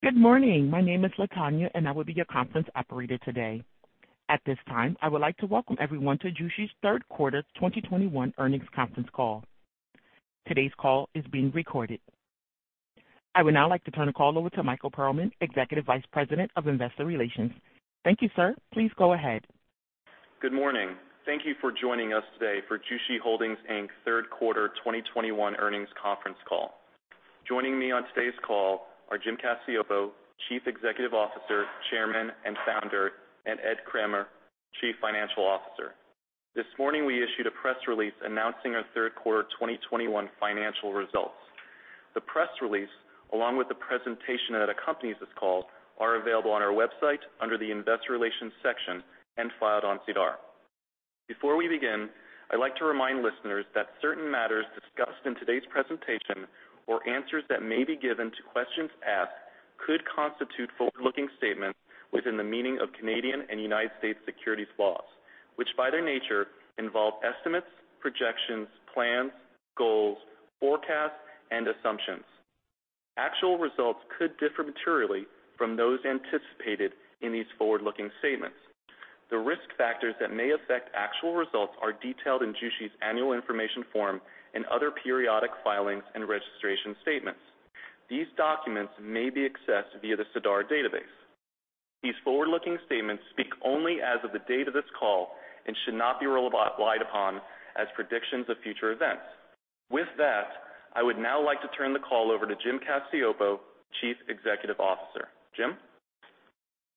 Good morning. My name is Latonya, and I will be your conference operator today. At this time, I would like to welcome everyone to Jushi's third quarter 2021 earnings conference call. Today's call is being recorded. I would now like to turn the call over to Michael Perlman, Executive Vice President of Investor Relations. Thank you, sir. Please go ahead. Good morning. Thank you for joining us today for Jushi Holdings, Inc. third quarter 2021 earnings conference call. Joining me on today's call are Jim Cacioppo, Chief Executive Officer, Chairman, and Founder, and Ed Kremer, Chief Financial Officer. This morning, we issued a press release announcing our third quarter 2021 financial results. The press release, along with the presentation that accompanies this call, are available on our website under the Investor Relations section and filed on SEDAR. Before we begin, I'd like to remind listeners that certain matters discussed in today's presentation or answers that may be given to questions asked could constitute forward-looking statements within the meaning of Canadian and United States securities laws, which by their nature involve estimates, projections, plans, goals, forecasts, and assumptions. Actual results could differ materially from those anticipated in these forward-looking statements. The risk factors that may affect actual results are detailed in Jushi's annual information form and other periodic filings and registration statements. These documents may be accessed via the SEDAR database. These forward-looking statements speak only as of the date of this call and should not be relied upon as predictions of future events. With that, I would now like to turn the call over to Jim Cacioppo, Chief Executive Officer. Jim?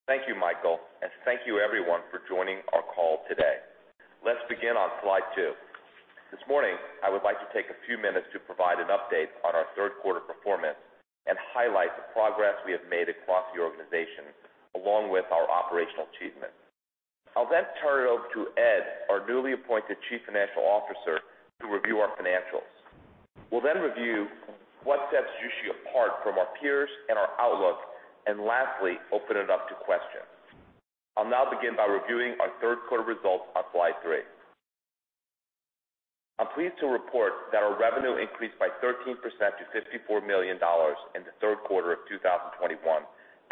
Thank you, Michael, and thank you everyone for joining our call today. Let's begin on slide two. This morning, I would like to take a few minutes to provide an update on our third quarter performance and highlight the progress we have made across the organization, along with our operational achievements. I'll then turn it over to Ed, our newly appointed Chief Financial Officer, to review our financials. We'll then review what sets Jushi apart from our peers and our outlook, and lastly, open it up to questions. I'll now begin by reviewing our third quarter results on slide three. I'm pleased to report that our revenue increased by 13% to $54 million in the third quarter of 2021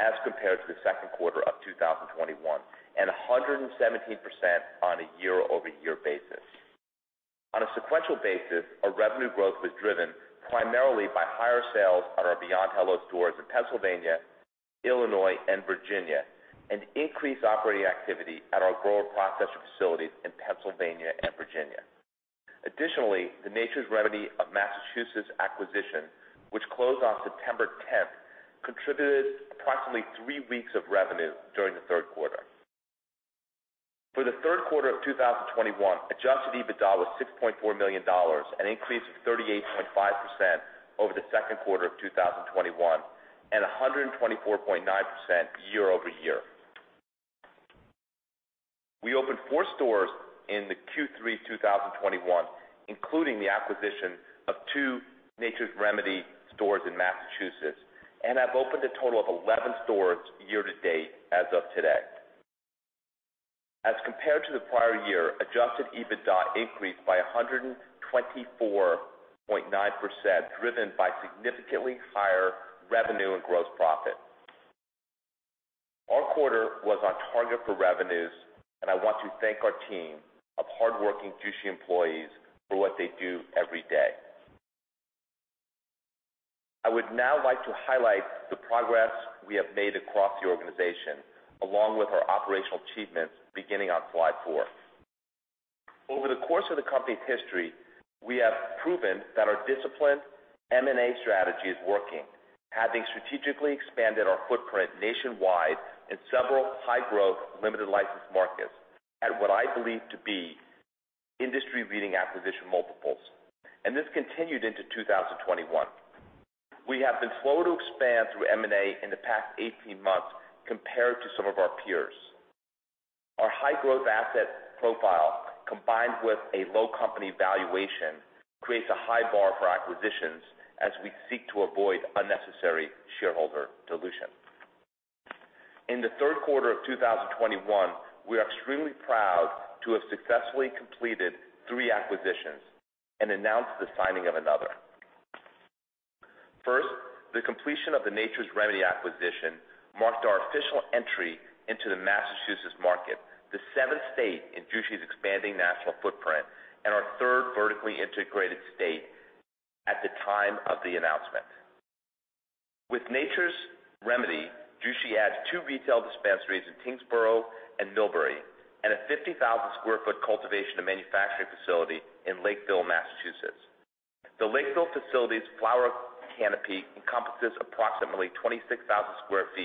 as compared to the second quarter of 2021, and 117% on a year-over-year basis. On a sequential basis, our revenue growth was driven primarily by higher sales at our Beyond Hello stores in Pennsylvania, Illinois, and Virginia, and increased operating activity at our grow and processor facilities in Pennsylvania and Virginia. Additionally, the Nature's Remedy of Massachusetts acquisition, which closed on September 10, contributed approximately three weeks of revenue during the third quarter. For the third quarter of 2021, adjusted EBITDA was $6.4 million, an increase of 38.5% over the second quarter of 2021 and 124.9% year-over-year. We opened 4 stores in the Q3 2021, including the acquisition of 2 Nature's Remedy stores in Massachusetts and have opened a total of 11 stores year to date as of today. As compared to the prior year, adjusted EBITDA increased by 124.9%, driven by significantly higher revenue and gross profit. Our quarter was on target for revenues, and I want to thank our team of hardworking Jushi employees for what they do every day. I would now like to highlight the progress we have made across the organization, along with our operational achievements beginning on slide four. Over the course of the company's history, we have proven that our disciplined M&A strategy is working, having strategically expanded our footprint nationwide in several high-growth, limited license markets at what I believe to be industry-leading acquisition multiples. This continued into 2021. We have been slow to expand through M&A in the past 18 months compared to some of our peers. Our high-growth asset profile, combined with a low company valuation, creates a high bar for acquisitions as we seek to avoid unnecessary shareholder dilution. In the third quarter of 2021, we are extremely proud to have successfully completed 3 acquisitions and announced the signing of another. First, the completion of the Nature's Remedy acquisition marked our official entry into the Massachusetts market, the seventh state in Jushi's expanding national footprint and our third vertically integrated state at the time of the announcement. With Nature's Remedy, Jushi adds 2 retail dispensaries in Tyngsborough and Millbury and a 50,000-sq-ft cultivation and manufacturing facility in Lakeville, Massachusetts. The Lakeville facility's flower canopy encompasses approximately 26,000 sq ft,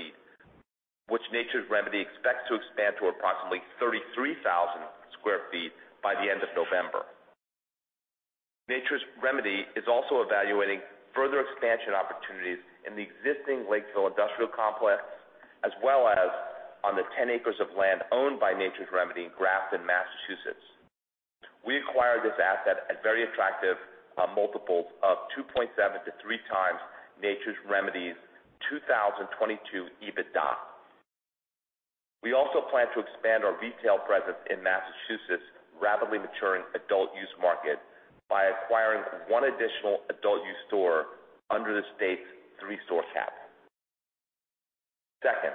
which Nature's Remedy expects to expand to approximately 33,000 sq ft by the end of November. Nature's Remedy is also evaluating further expansion opportunities in the existing Lakeville industrial complex as well as on the 10 acres of land owned by Nature's Remedy in Grafton, Massachusetts. We acquired this asset at very attractive multiples of 2.7-3x Nature's Remedy's 2022 EBITDA. We also plan to expand our retail presence in Massachusetts rapidly maturing adult use market by acquiring one additional adult use store under the state's three-store cap. Second,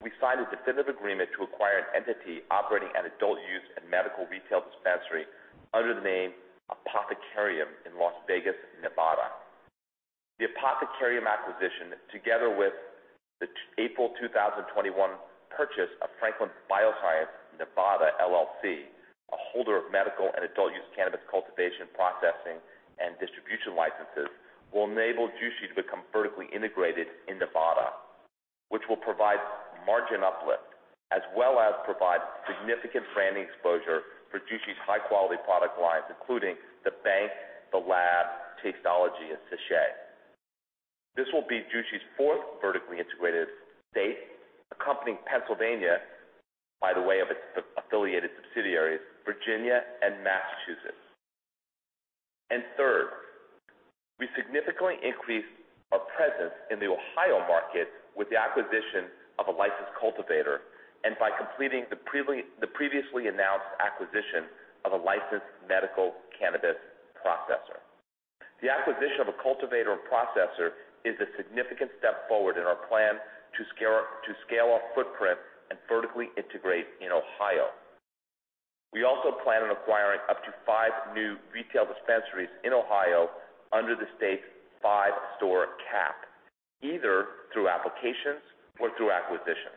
we signed a definitive agreement to acquire an entity operating an adult use and medical retail dispensary under the name Apothecarium in Las Vegas, Nevada. The Apothecarium acquisition, together with the April 2021 purchase of Franklin Bioscience NV, LLC, a holder of medical and adult use cannabis cultivation, processing, and distribution licenses, will enable Jushi to become vertically integrated in Nevada, which will provide margin uplift as well as provide significant branding exposure for Jushi's high-quality product lines, including The Bank, The Lab, Tasteology, and Sèchè. This will be Jushi's fourth vertically integrated state, accompanying Pennsylvania by the way of its affiliated subsidiaries, Virginia and Massachusetts. Third, we significantly increased our presence in the Ohio market with the acquisition of a licensed cultivator and by completing the previously announced acquisition of a licensed medical cannabis processor. The acquisition of a cultivator and processor is a significant step forward in our plan to scale our footprint and vertically integrate in Ohio. We also plan on acquiring up to five new retail dispensaries in Ohio under the state's five-store cap, either through applications or through acquisitions.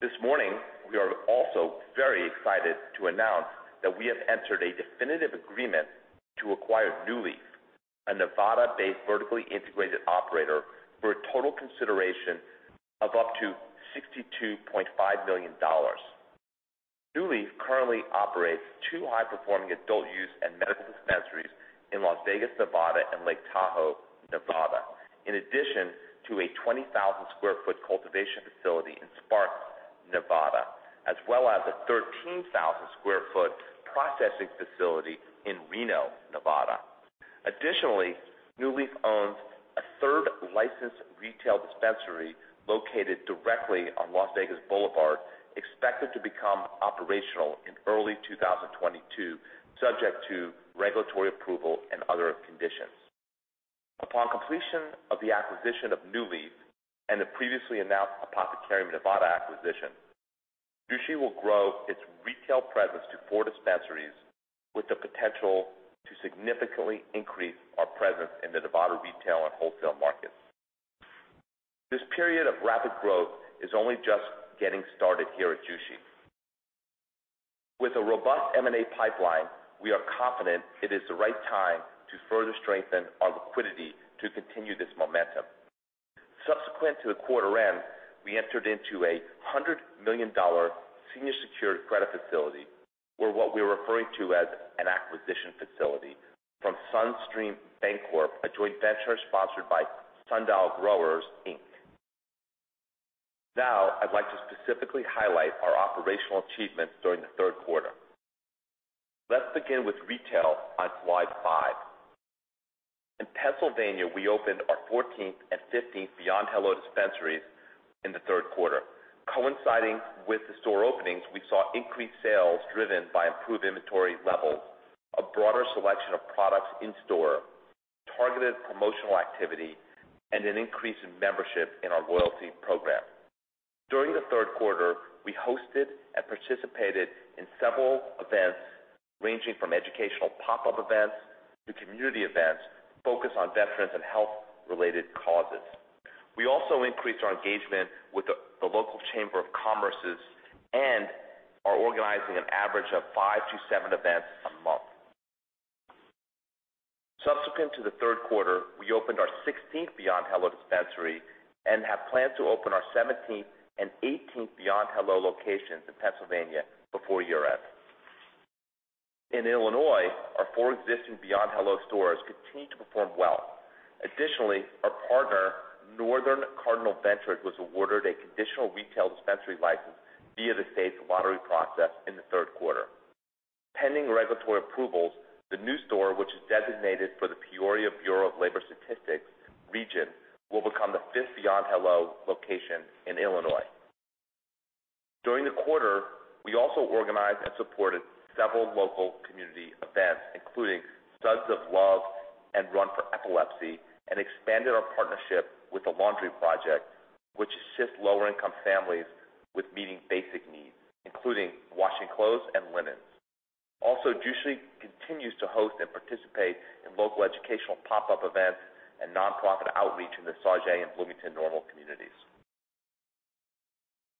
This morning, we are also very excited to announce that we have entered a definitive agreement to acquire NuLeaf, a Nevada-based vertically integrated operator, for a total consideration of up to $62.5 million. NuLeaf currently operates two high-performing adult-use and medical dispensaries in Las Vegas, Nevada, and Lake Tahoe, Nevada, in addition to a 20,000 sq ft cultivation facility in Sparks, Nevada, as well as a 13,000 sq ft processing facility in Reno, Nevada. Additionally, NuLeaf owns a third licensed retail dispensary located directly on Las Vegas Boulevard, expected to become operational in early 2022, subject to regulatory approval and other conditions. Upon completion of the acquisition of NuLeaf and the previously announced Apothecarium Nevada acquisition, Jushi will grow its retail presence to four dispensaries with the potential to significantly increase our presence in the Nevada retail and wholesale markets. This period of rapid growth is only just getting started here at Jushi. With a robust M&A pipeline, we are confident it is the right time to further strengthen our liquidity to continue this momentum. Subsequent to the quarter end, we entered into a $100 million senior secured credit facility for what we are referring to as an acquisition facility from SunStream Bancorp, a joint venture sponsored by Sundial Growers Inc. Now I'd like to specifically highlight our operational achievements during the third quarter. Let's begin with retail on slide five. In Pennsylvania, we opened our fourteenth and fifteenth Beyond Hello dispensaries in the third quarter. Coinciding with the store openings, we saw increased sales driven by improved inventory levels, a broader selection of products in store, targeted promotional activity, and an increase in membership in our loyalty program. During the third quarter, we hosted and participated in several events ranging from educational pop-up events to community events focused on veterans and health-related causes. We also increased our engagement with the local chambers of commerce and are organizing an average of five to seven events a month. Subsequent to the third quarter, we opened our sixteenth Beyond Hello dispensary and have planned to open our seventeenth and eighteenth Beyond Hello locations in Pennsylvania before year-end. In Illinois, our four existing Beyond Hello stores continue to perform well. Additionally, our partner, Northern Cardinal Ventures, was awarded a conditional retail dispensary license via the state's lottery process in the third quarter. Pending regulatory approvals, the new store, which is designated for the Peoria, IL Metropolitan Statistical Area, will become the fifth Beyond Hello location in Illinois. During the quarter, we also organized and supported several local community events, including Suds of Love and Run for Epilepsy, and expanded our partnership with the Laundry Project, which assists lower-income families with meeting basic needs, including washing clothes and linens. Also, Jushi continues to host and participate in local educational pop-up events and nonprofit outreach in the Sauget and Bloomington-Normal communities.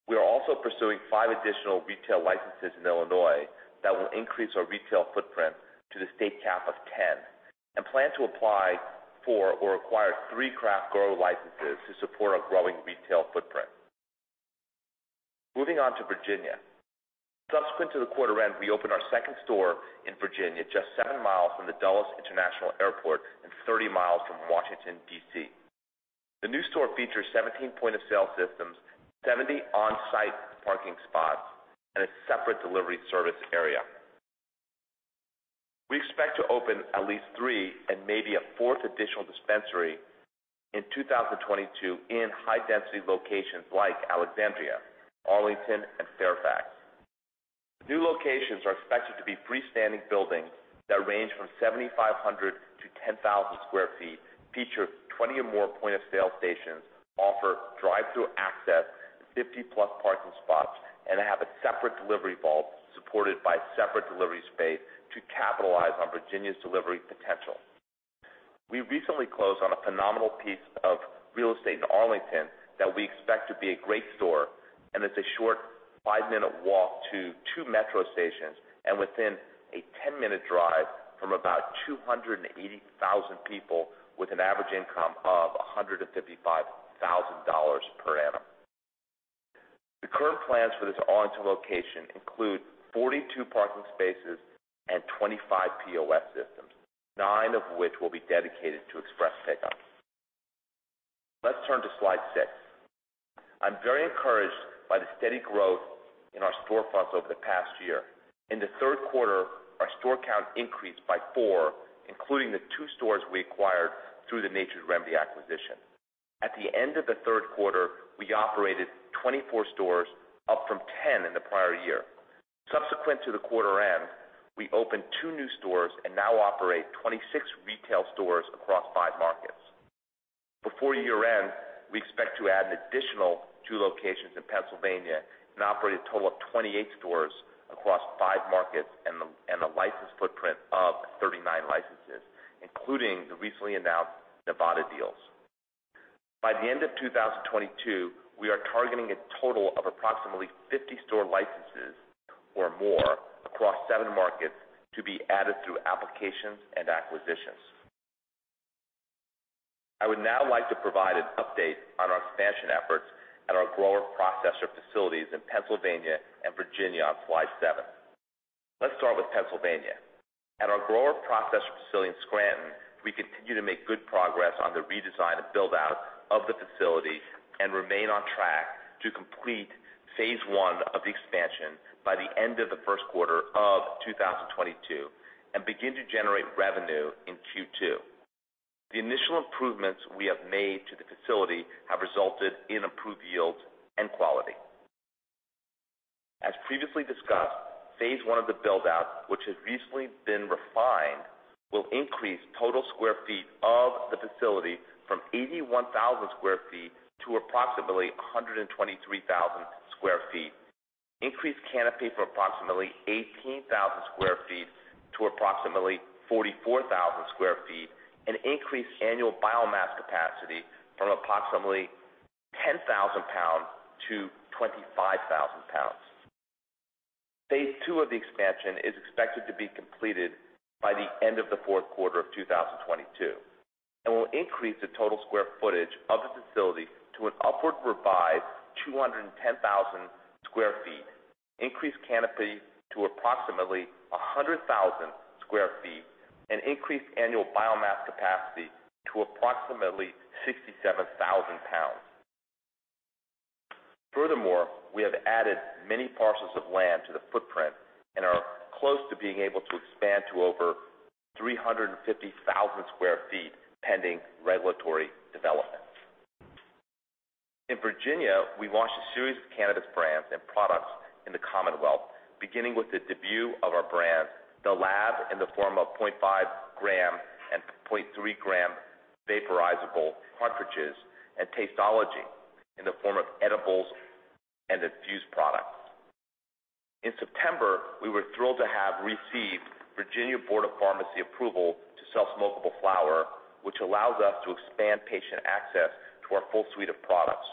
We are also pursuing five additional retail licenses in Illinois that will increase our retail footprint to the state cap of 10 and plan to apply for or acquire three craft grower licenses to support our growing retail footprint. Moving on to Virginia. Subsequent to the quarter end, we opened our second store in Virginia just 7 miles from the Dulles International Airport and 30 miles from Washington, D.C. The new store features 17 point-of-sale systems, 70 on-site parking spots, and a separate delivery service area. We expect to open at least 3 and maybe a fourth additional dispensary in 2022 in high-density locations like Alexandria, Arlington, and Fairfax. The new locations are expected to be freestanding buildings that range from 7,500 to 10,000 sq ft, feature 20 or more point-of-sale stations, offer drive-through access, 50+ parking spots, and have a separate delivery vault supported by separate delivery space to capitalize on Virginia's delivery potential. We recently closed on a phenomenal piece of real estate in Arlington that we expect to be a great store, and it's a short 5-minute walk to 2 Metro stations and within a 10-minute drive from about 280,000 people with an average income of $155,000 per annum. The current plans for this Arlington location include 42 parking spaces and 25 POS systems, 9 of which will be dedicated to express pickup. Let's turn to slide 6. I'm very encouraged by the steady growth in our store count over the past year. In the third quarter, our store count increased by 4, including the 2 stores we acquired through the Nature's Remedy acquisition. At the end of the third quarter, we operated 24 stores, up from 10 in the prior year. Subsequent to the quarter end, we opened 2 new stores and now operate 26 retail stores across 5 markets. Before year-end, we expect to add an additional 2 locations in Pennsylvania and operate a total of 28 stores across 5 markets and a licensed footprint of 39 licenses, including the recently announced Nevada deals. By the end of 2022, we are targeting a total of approximately 50 store licenses or more across 7 markets to be added through applications and acquisitions. I would now like to provide an update on our expansion efforts at our grower-processor facilities in Pennsylvania and Virginia on slide 7. Let's start with Pennsylvania. At our grower-processor facility in Scranton, we continue to make good progress on the redesign and build-out of the facility and remain on track to complete phase one of the expansion by the end of Q1 2022 and begin to generate revenue in Q2. The initial improvements we have made to the facility have resulted in improved yields and quality. As previously discussed, phase one of the build-out, which has recently been refined, will increase total square feet of the facility from 81,000 sq ft to approximately 123,000 sq ft, increase canopy from approximately 18,000 sq ft to approximately 44,000 sq ft, and increase annual biomass capacity from approximately 10,000 lbs to 25,000 lbs. Phase two of the expansion is expected to be completed by the end of the fourth quarter of 2022, and will increase the total square footage of the facility to an upward revised 210,000 sq ft. Increase canopy to approximately 100,000 sq ft and increase annual biomass capacity to approximately 67,000 lbs. Furthermore, we have added many parcels of land to the footprint and are close to being able to expand to over 350,000 sq ft pending regulatory development. In Virginia, we launched a series of cannabis brands and products in the Commonwealth, beginning with the debut of our brand, The Lab, in the form of 0.5 gram and 0.3 gram vaporizable cartridges and Tasteology in the form of edibles and infused products. In September, we were thrilled to have received Virginia Board of Pharmacy approval to sell smokable flower, which allows us to expand patient access to our full suite of products.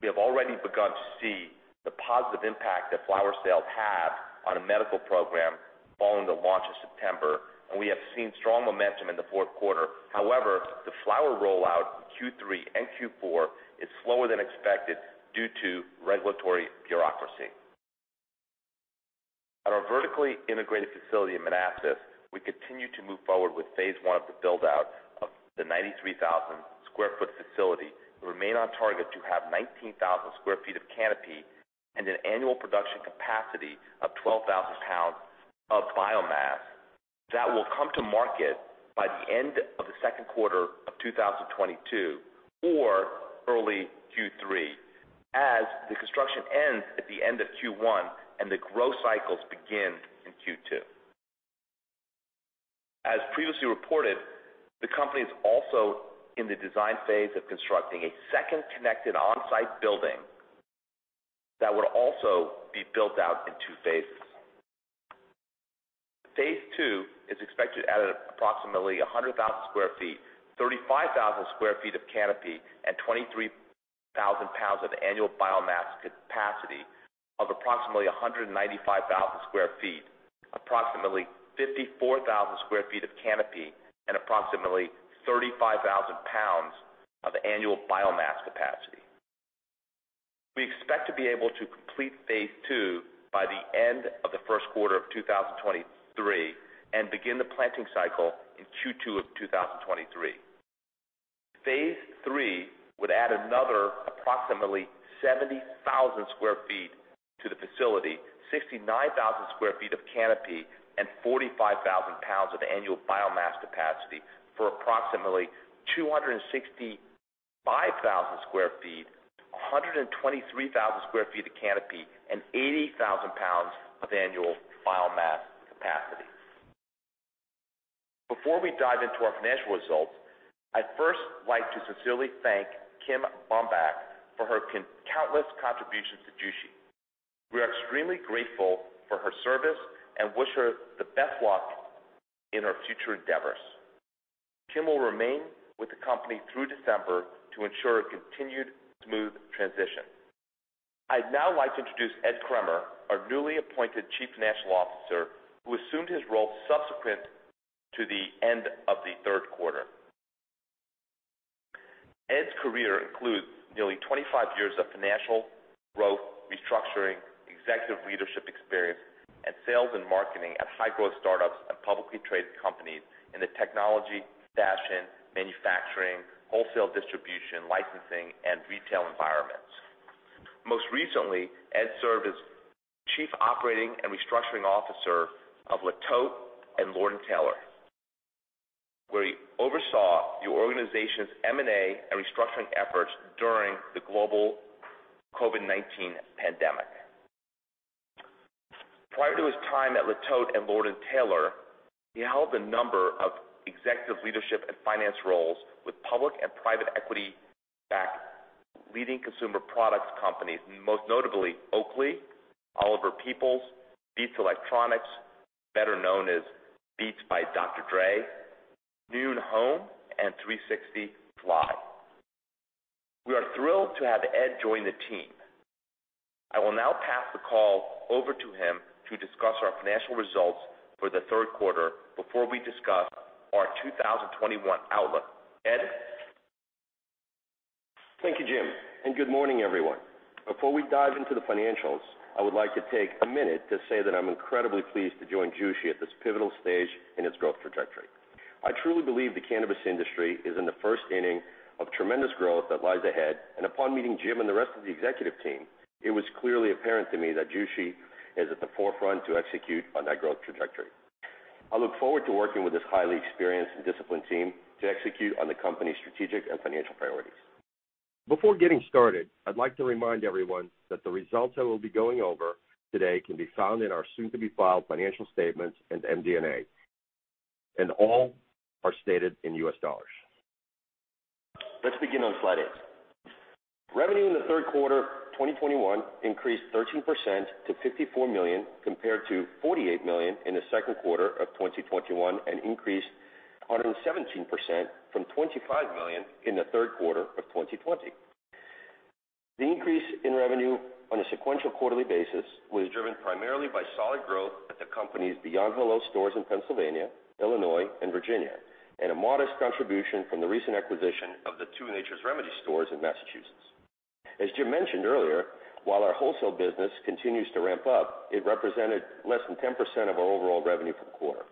We have already begun to see the positive impact that flower sales have on a medical program following the launch in September, and we have seen strong momentum in the fourth quarter. However, the flower rollout in Q3 and Q4 is slower than expected due to regulatory bureaucracy. At our vertically integrated facility in Manassas, we continue to move forward with phase one of the build-out of the 93,000 sq ft facility. We remain on target to have 19,000 sq ft of canopy and an annual production capacity of 12,000 pounds of biomass that will come to market by the end of the second quarter of 2022 or early Q3 as the construction ends at the end of Q1 and the growth cycles begin in Q2. As previously reported, the company is also in the design phase of constructing a second connected on-site building that would also be built out in two phases. Phase two is expected at approximately 100,000 sq ft, 35,000 sq ft of canopy, and 23,000 pounds of annual biomass capacity of approximately 195,000 sq ft, approximately 54,000 sq ft of canopy, and approximately 35,000 pounds of annual biomass capacity. We expect to be able to complete phase two by the end of the first quarter of 2023 and begin the planting cycle in Q2 of 2023. Phase three would add another approximately 70,000 sq ft to the facility, 69,000 sq ft of canopy and 45,000 pounds of annual biomass capacity for approximately 265,000 sq ft, 123,000 sq ft of canopy and 80,000 pounds of annual biomass capacity. Before we dive into our financial results, I would first like to sincerely thank Kim Bambach for her countless contributions to Jushi. We are extremely grateful for her service and wish her the best luck in her future endeavors. Kim will remain with the company through December to ensure a continued smooth transition. I'd now like to introduce Ed Kremer, our newly appointed Chief Financial Officer, who assumed his role subsequent to the end of the third quarter. Ed's career includes nearly 25 years of financial growth, restructuring, executive leadership experience, and sales and marketing at high-growth startups and publicly traded companies in the technology, fashion, manufacturing, wholesale distribution, licensing, and retail environments. Most recently, Ed served as Chief Operating and Restructuring Officer of Le Tote and Lord & Taylor, where he oversaw the organization's M&A and restructuring efforts during the global COVID-19 pandemic. Prior to his time at Le Tote and Lord & Taylor, he held a number of executive leadership and finance roles with public and private equity-backed leading consumer products companies, most notably Oakley, Oliver Peoples, Beats Electronics, better known as Beats by Dr. Dre, Noon Home, and 360fly. We are thrilled to have Ed join the team. I will now pass the call over to him to discuss our financial results for the third quarter before we discuss our 2021 outlook. Ed? Thank you, Jim, and good morning, everyone. Before we dive into the financials, I would like to take a minute to say that I'm incredibly pleased to join Jushi at this pivotal stage in its growth trajectory. I truly believe the cannabis industry is in the first inning of tremendous growth that lies ahead. Upon meeting Jim and the rest of the executive team, it was clearly apparent to me that Jushi is at the forefront to execute on that growth trajectory. I look forward to working with this highly experienced and disciplined team to execute on the company's strategic and financial priorities. Before getting started, I'd like to remind everyone that the results I will be going over today can be found in our soon-to-be-filed financial statements and MD&A, and all are stated in U.S. dollars. Let's begin on slide eight. Revenue in the third quarter of 2021 increased 13% to $54 million compared to $48 million in the second quarter of 2021 and increased 117% from $25 million in the third quarter of 2020. The increase in revenue on a sequential quarterly basis was driven primarily by solid growth at the company's Beyond Hello stores in Pennsylvania, Illinois, and Virginia, and a modest contribution from the recent acquisition of the two Nature's Remedy stores in Massachusetts. As Jim mentioned earlier, while our wholesale business continues to ramp up, it represented less than 10% of our overall revenue for the quarter.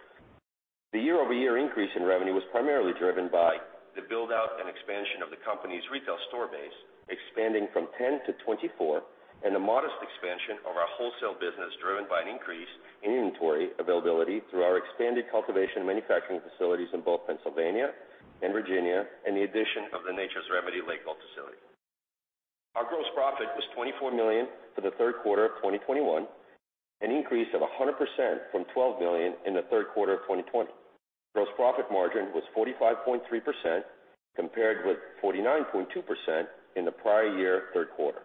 The year-over-year increase in revenue was primarily driven by the build-out and expansion of the company's retail store base, expanding from 10 to 24, and a modest expansion of our wholesale business, driven by an increase in inventory availability through our expanded cultivation and manufacturing facilities in both Pennsylvania and Virginia and the addition of the Nature's Remedy Lakeville facility. Our gross profit was $24 million for the third quarter of 2021, an increase of 100% from $12 million in the third quarter of 2020. Gross profit margin was 45.3% compared with 49.2% in the prior year third quarter.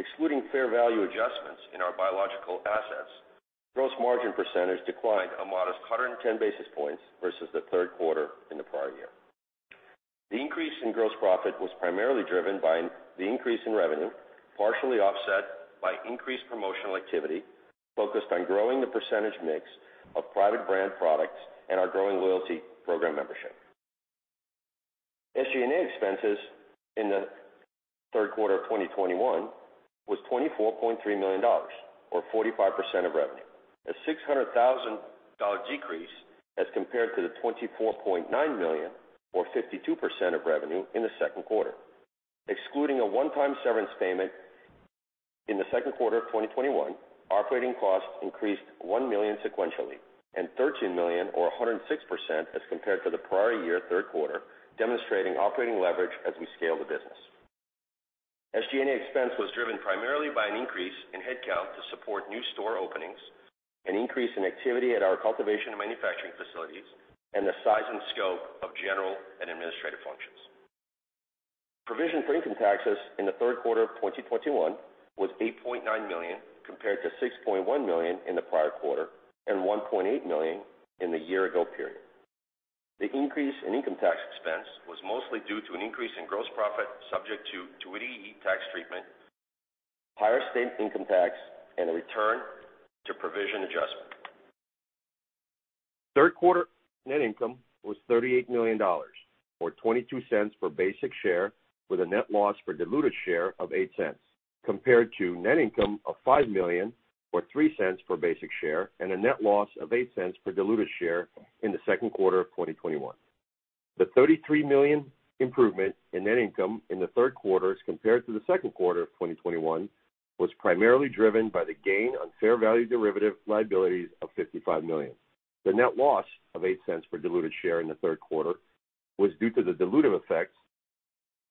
Excluding fair value adjustments in our biological assets, gross margin percentage declined a modest 110 basis points versus the third quarter in the prior year. The increase in gross profit was primarily driven by the increase in revenue, partially offset by increased promotional activity focused on growing the percentage mix of private brand products and our growing loyalty program membership. SG&A expenses in the third quarter of 2021 was $24.3 million, or 45% of revenue. A $600,000 decrease as compared to the $24.9 million, or 52% of revenue in the second quarter. Excluding a one-time severance payment in the second quarter of 2021, operating costs increased $1 million sequentially and $13 million or 106% as compared to the prior year third quarter, demonstrating operating leverage as we scale the business. SG&A expense was driven primarily by an increase in headcount to support new store openings, an increase in activity at our cultivation and manufacturing facilities, and the size and scope of general and administrative functions. Provision for income taxes in the third quarter of 2021 was $8.9 million, compared to $6.1 million in the prior quarter and $1.8 million in the year ago period. The increase in income tax expense was mostly due to an increase in gross profit subject to 280E tax treatment, higher state income tax, and a return to provision adjustment. Third quarter net income was $38 million, or $0.22 per basic share, with a net loss per diluted share of $0.08. Compared to net income of $5 million or $0.03 per basic share and a net loss of $0.08 per diluted share in the second quarter of 2021. The $33 million improvement in net income in the third quarter as compared to the second quarter of 2021 was primarily driven by the gain on fair value derivative liabilities of $55 million. The net loss of $0.08 per diluted share in the third quarter was due to the dilutive effects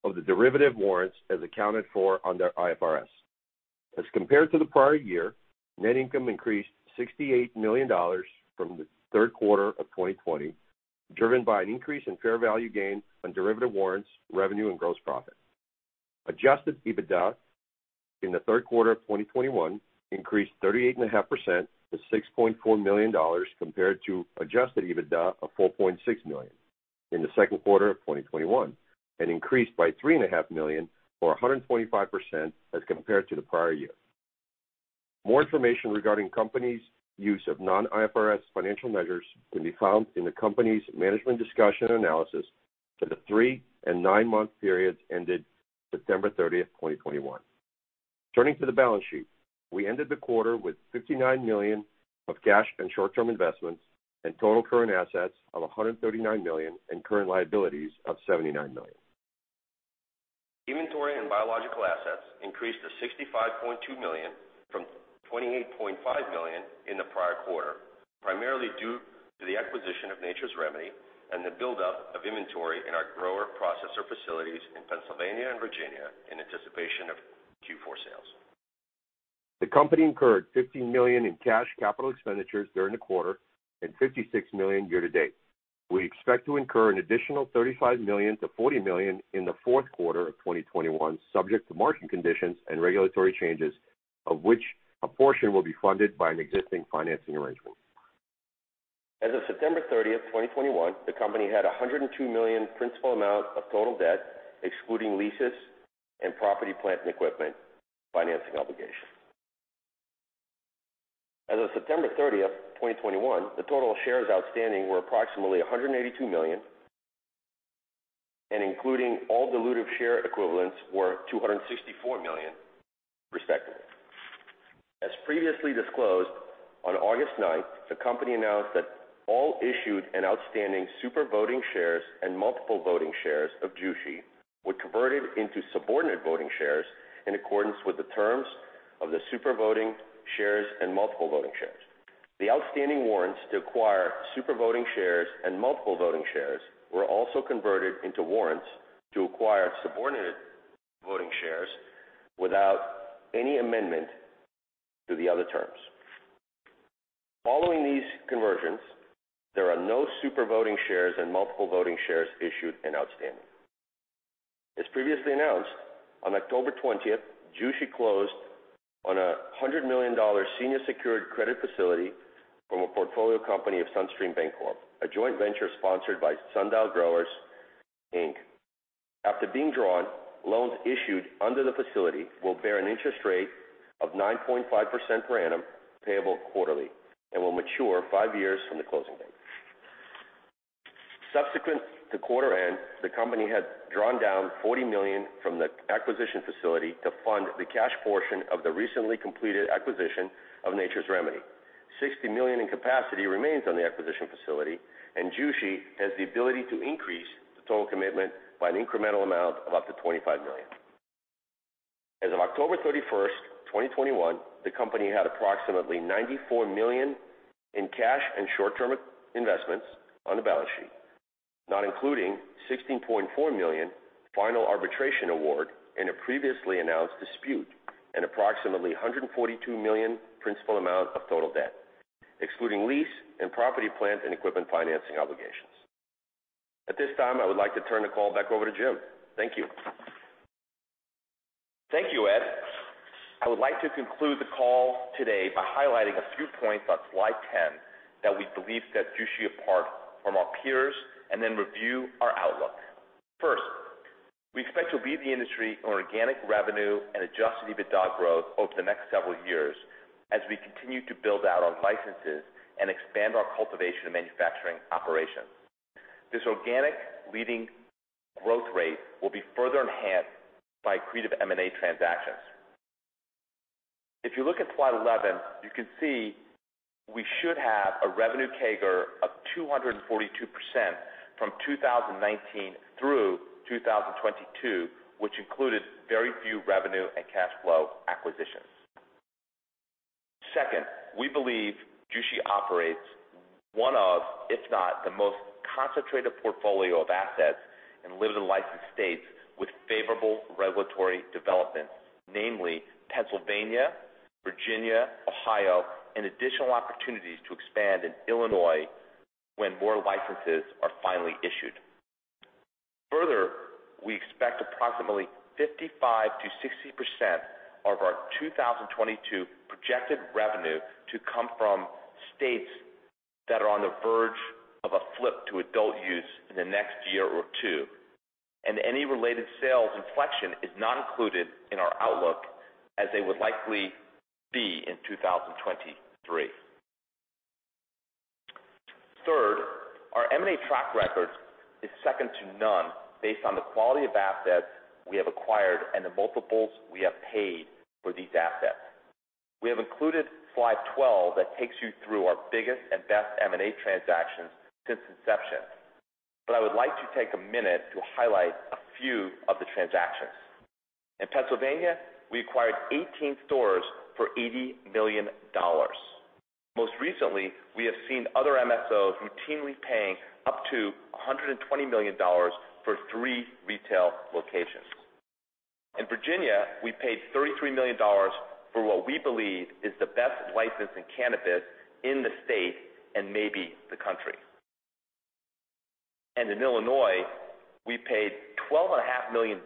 of the derivative warrants as accounted for under IFRS. As compared to the prior year, net income increased $68 million from the third quarter of 2020, driven by an increase in fair value gain on derivative warrants, revenue, and gross profit. Adjusted EBITDA in the third quarter of 2021 increased 38.5% to $6.4 million compared to adjusted EBITDA of $4.6 million in the second quarter of 2021 and increased by $3.5 million or 125% as compared to the prior year. More information regarding company's use of non-IFRS financial measures can be found in the company's management discussion and analysis for the three- and nine-month periods ended September 30, 2021. Turning to the balance sheet. We ended the quarter with $59 million of cash and short-term investments and total current assets of $139 million and current liabilities of $79 million. Inventory and biological assets increased to $65.2 million from $28.5 million in the prior quarter, primarily due to the acquisition of Nature's Remedy and the buildup of inventory in our grower-processor facilities in Pennsylvania and Virginia in anticipation of Q4 sales. The company incurred $15 million in cash capital expenditures during the quarter and $56 million year to date. We expect to incur an additional $35 million-$40 million in the fourth quarter of 2021, subject to market conditions and regulatory changes, of which a portion will be funded by an existing financing arrangement. As of September 30, 2021, the company had $102 million principal amount of total debt, excluding leases and property, plant, and equipment financing obligations. As of September 30, 2021, the total shares outstanding were approximately 182 million and including all dilutive share equivalents were 264 million, respectively. As previously disclosed, on August 9, the company announced that all issued and outstanding super voting shares and multiple voting shares of Jushi were converted into subordinate voting shares in accordance with the terms of the super voting shares and multiple voting shares. The outstanding warrants to acquire super voting shares and multiple voting shares were also converted into warrants to acquire subordinate voting shares without any amendment to the other terms. Following these conversions, there are no super voting shares and multiple voting shares issued and outstanding. As previously announced, on October 20, Jushi closed on a $100 million senior secured credit facility from a portfolio company of SunStream Bancorp, a joint venture sponsored by Sundial Growers Inc. After being drawn, loans issued under the facility will bear an interest rate of 9.5% per annum payable quarterly and will mature 5 years from the closing date. Subsequent to quarter end, the company had drawn down $40 million from the acquisition facility to fund the cash portion of the recently completed acquisition of Nature's Remedy. $60 million in capacity remains on the acquisition facility, and Jushi has the ability to increase the total commitment by an incremental amount of up to $25 million. As of October 31, 2021, the company had approximately $94 million in cash and short-term investments on the balance sheet, not including $16.4 million final arbitration award in a previously announced dispute and approximately $142 million principal amount of total debt, excluding lease and property, plant, and equipment financing obligations. At this time, I would like to turn the call back over to Jim. Thank you. Thank you, Ed. I would like to conclude the call today by highlighting a few points on slide 10 that we believe set Jushi apart from our peers and then review our outlook. First, we expect to lead the industry in organic revenue and adjusted EBITDA growth over the next several years as we continue to build out our licenses and expand our cultivation and manufacturing operations. This organic leading growth rate will be further enhanced by accretive M&A transactions. If you look at slide 11, you can see we should have a revenue CAGR of 242% from 2019 through 2022, which included very few revenue and cash flow acquisitions. Second, we believe Jushi operates one of, if not the most concentrated portfolio of assets in limited licensed states with favorable regulatory developments, namely Pennsylvania, Virginia, Ohio, and additional opportunities to expand in Illinois when more licenses are finally issued. Further, we expect approximately 55%-60% of our 2022 projected revenue to come from states that are on the verge of a flip to adult use in the next year or two. Any related sales inflection is not included in our outlook as they would likely be in 2023. Our M&A track record is second to none based on the quality of assets we have acquired and the multiples we have paid for these assets. We have included slide 12 that takes you through our biggest and best M&A transactions since inception. I would like to take a minute to highlight a few of the transactions. In Pennsylvania, we acquired 18 stores for $80 million. Most recently, we have seen other MSOs routinely paying up to $120 million for three retail locations. In Virginia, we paid $33 million for what we believe is the best license in cannabis in the state and maybe the country. In Illinois, we paid $12.5 million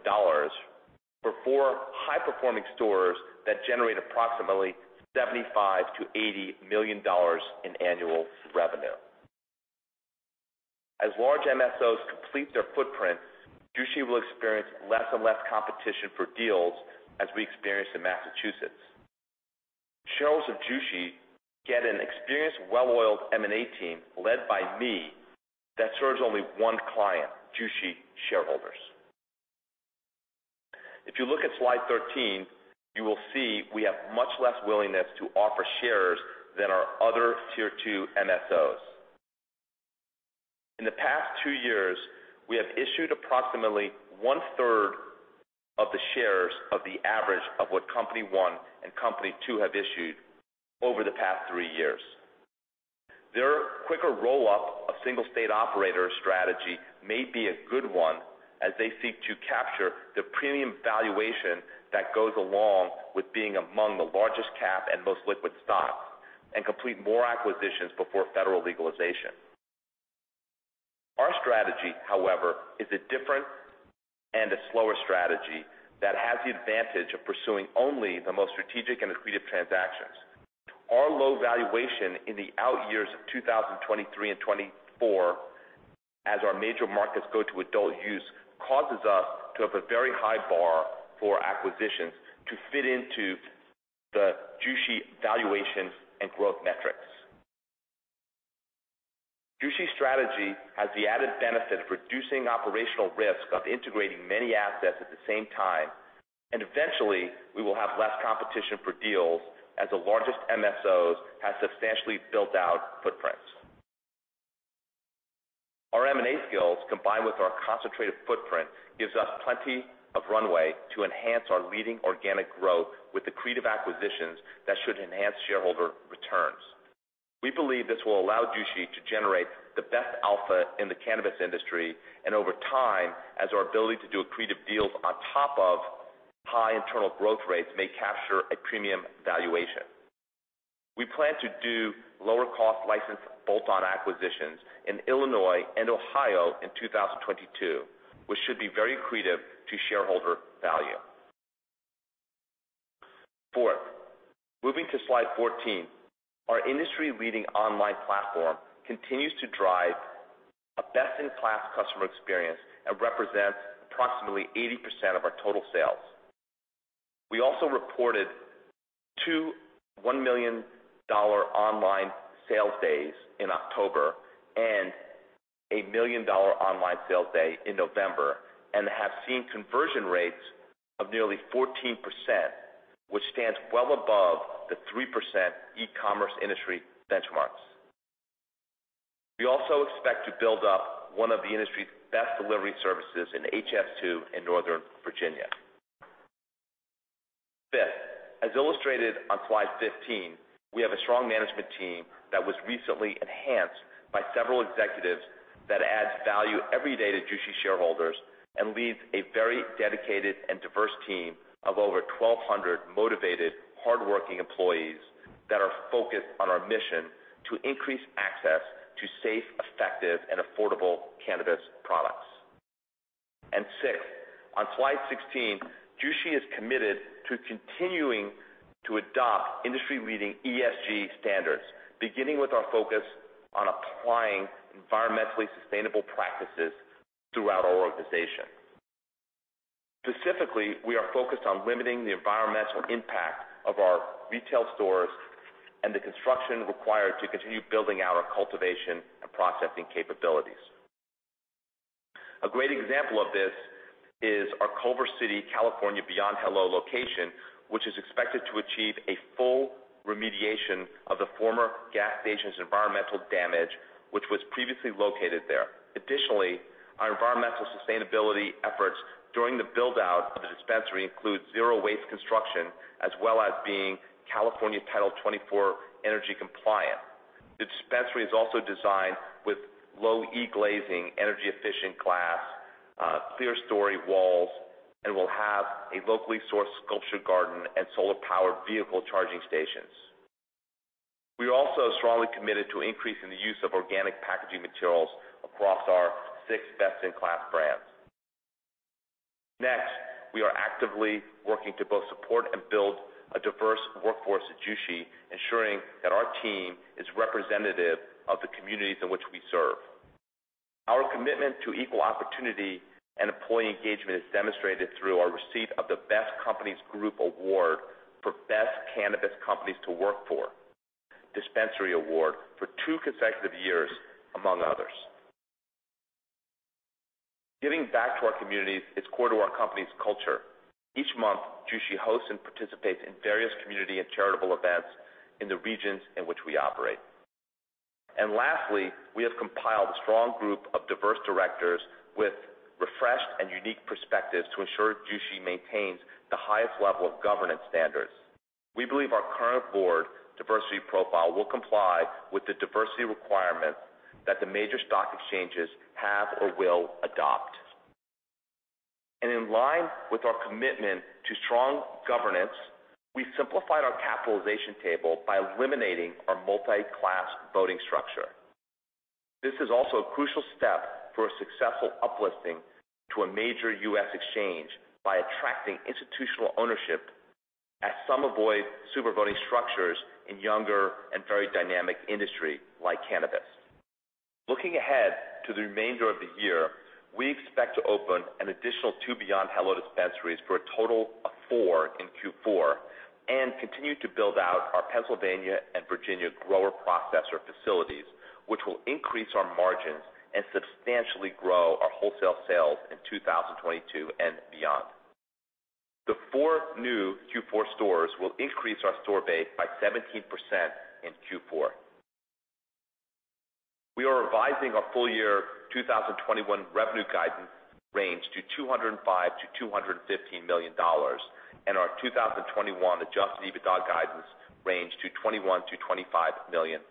for four high-performing stores that generate approximately $75 million-$80 million in annual revenue. As large MSOs complete their footprint, Jushi will experience less and less competition for deals as we experienced in Massachusetts. Shareholders of Jushi get an experienced, well-oiled M&A team led by me that serves only one client, Jushi shareholders. If you look at slide 13, you will see we have much less willingness to offer shares than our other tier two MSOs. In the past 2 years, we have issued approximately one-third of the shares of the average of what company one and company two have issued over the past 3 years. Their quicker roll-up of single-state operator strategy may be a good one as they seek to capture the premium valuation that goes along with being among the largest cap and most liquid stocks, and complete more acquisitions before federal legalization. Our strategy, however, is a different and a slower strategy that has the advantage of pursuing only the most strategic and accretive transactions. Our low valuation in the out years of 2023 and 2024 as our major markets go to adult use causes us to have a very high bar for acquisitions to fit into the Jushi valuations and growth metrics. Jushi's strategy has the added benefit of reducing operational risk of integrating many assets at the same time, and eventually, we will have less competition for deals as the largest MSOs have substantially built-out footprints. Our M&A skills, combined with our concentrated footprint, gives us plenty of runway to enhance our leading organic growth with accretive acquisitions that should enhance shareholder returns. We believe this will allow Jushi to generate the best alpha in the cannabis industry, and over time, as our ability to do accretive deals on top of high internal growth rates may capture a premium valuation. We plan to do lower-cost license bolt-on acquisitions in Illinois and Ohio in 2022, which should be very accretive to shareholder value. Fourth, moving to slide 14. Our industry-leading online platform continues to drive a best-in-class customer experience and represents approximately 80% of our total sales. We also reported two $1 million online sales days in October and a $1 million online sales day in November and have seen conversion rates of nearly 14%, which stands well above the 3% e-commerce industry benchmarks. We also expect to build up one of the industry's best delivery services in HS2 in Northern Virginia. Fifth, as illustrated on slide 15, we have a strong management team that was recently enhanced by several executives that adds value every day to Jushi shareholders and leads a very dedicated and diverse team of over 1,200 motivated, hardworking employees that are focused on our mission to increase access to safe, effective, and affordable cannabis products. Sixth, on slide 16, Jushi is committed to continuing to adopt industry-leading ESG standards, beginning with our focus on applying environmentally sustainable practices throughout our organization. Specifically, we are focused on limiting the environmental impact of our retail stores and the construction required to continue building out our cultivation and processing capabilities. A great example of this is our Culver City, California Beyond Hello location, which is expected to achieve a full remediation of the former gas station's environmental damage, which was previously located there. Additionally, our environmental sustainability efforts during the build-out of the dispensary includes zero waste construction, as well as being California Title 24 energy compliant. The dispensary is also designed with low-e glazing, energy efficient glass, clearstory walls, and will have a locally sourced sculpture garden and solar-powered vehicle charging stations. We are also strongly committed to increasing the use of organic packaging materials across our six best-in-class brands. Next, we are actively working to both support and build a diverse workforce at Jushi, ensuring that our team is representative of the communities in which we serve. Our commitment to equal opportunity and employee engagement is demonstrated through our receipt of the Best Companies Group Award for Best Cannabis Companies to Work For Dispensary Award for two consecutive years, among others. Giving back to our communities is core to our company's culture. Each month, Jushi hosts and participates in various community and charitable events in the regions in which we operate. Lastly, we have compiled a strong group of diverse directors with refreshed and unique perspectives to ensure Jushi maintains the highest level of governance standards. We believe our current board diversity profile will comply with the diversity requirements that the major stock exchanges have or will adopt. In line with our commitment to strong governance, we simplified our capitalization table by eliminating our multi-class voting structure. This is also a crucial step for a successful up-listing to a major U.S. exchange by attracting institutional ownership as some avoid super voting structures in younger and very dynamic industry like cannabis. Looking ahead to the remainder of the year, we expect to open an additional two Beyond Hello dispensaries for a total of four in Q4, and continue to build out our Pennsylvania and Virginia grower-processor facilities, which will increase our margins and substantially grow our wholesale sales in 2022 and beyond. The four new Q4 stores will increase our store base by 17% in Q4. We are revising our full year 2021 revenue guidance range to $205 million-$215 million and our 2021 adjusted EBITDA guidance range to $21 million-$25 million.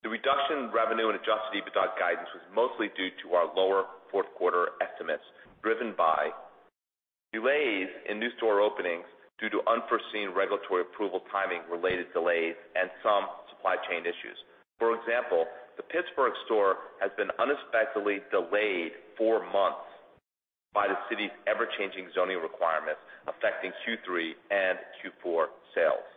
The reduction in revenue and adjusted EBITDA guidance was mostly due to our lower fourth quarter estimates, driven by delays in new store openings due to unforeseen regulatory approval timing-related delays and some supply chain issues. For example, the Pittsburgh store has been unexpectedly delayed four months by the city's ever-changing zoning requirements, affecting Q3 and Q4 sales,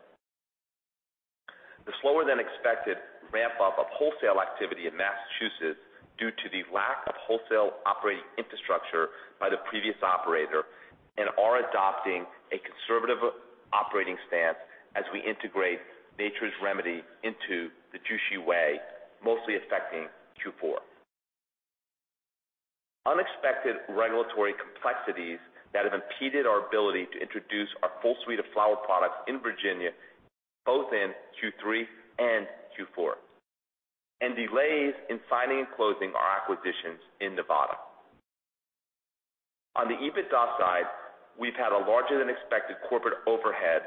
the slower than expected ramp up of wholesale activity in Massachusetts due to the lack of wholesale operating infrastructure by the previous operator, and we are adopting a conservative operating stance as we integrate Nature's Remedy into the Jushi way, mostly affecting Q4, unexpected regulatory complexities that have impeded our ability to introduce our full suite of flower products in Virginia, both in Q3 and Q4, and delays in signing and closing our acquisitions in Nevada. On the EBITDA side, we've had a larger than expected corporate overhead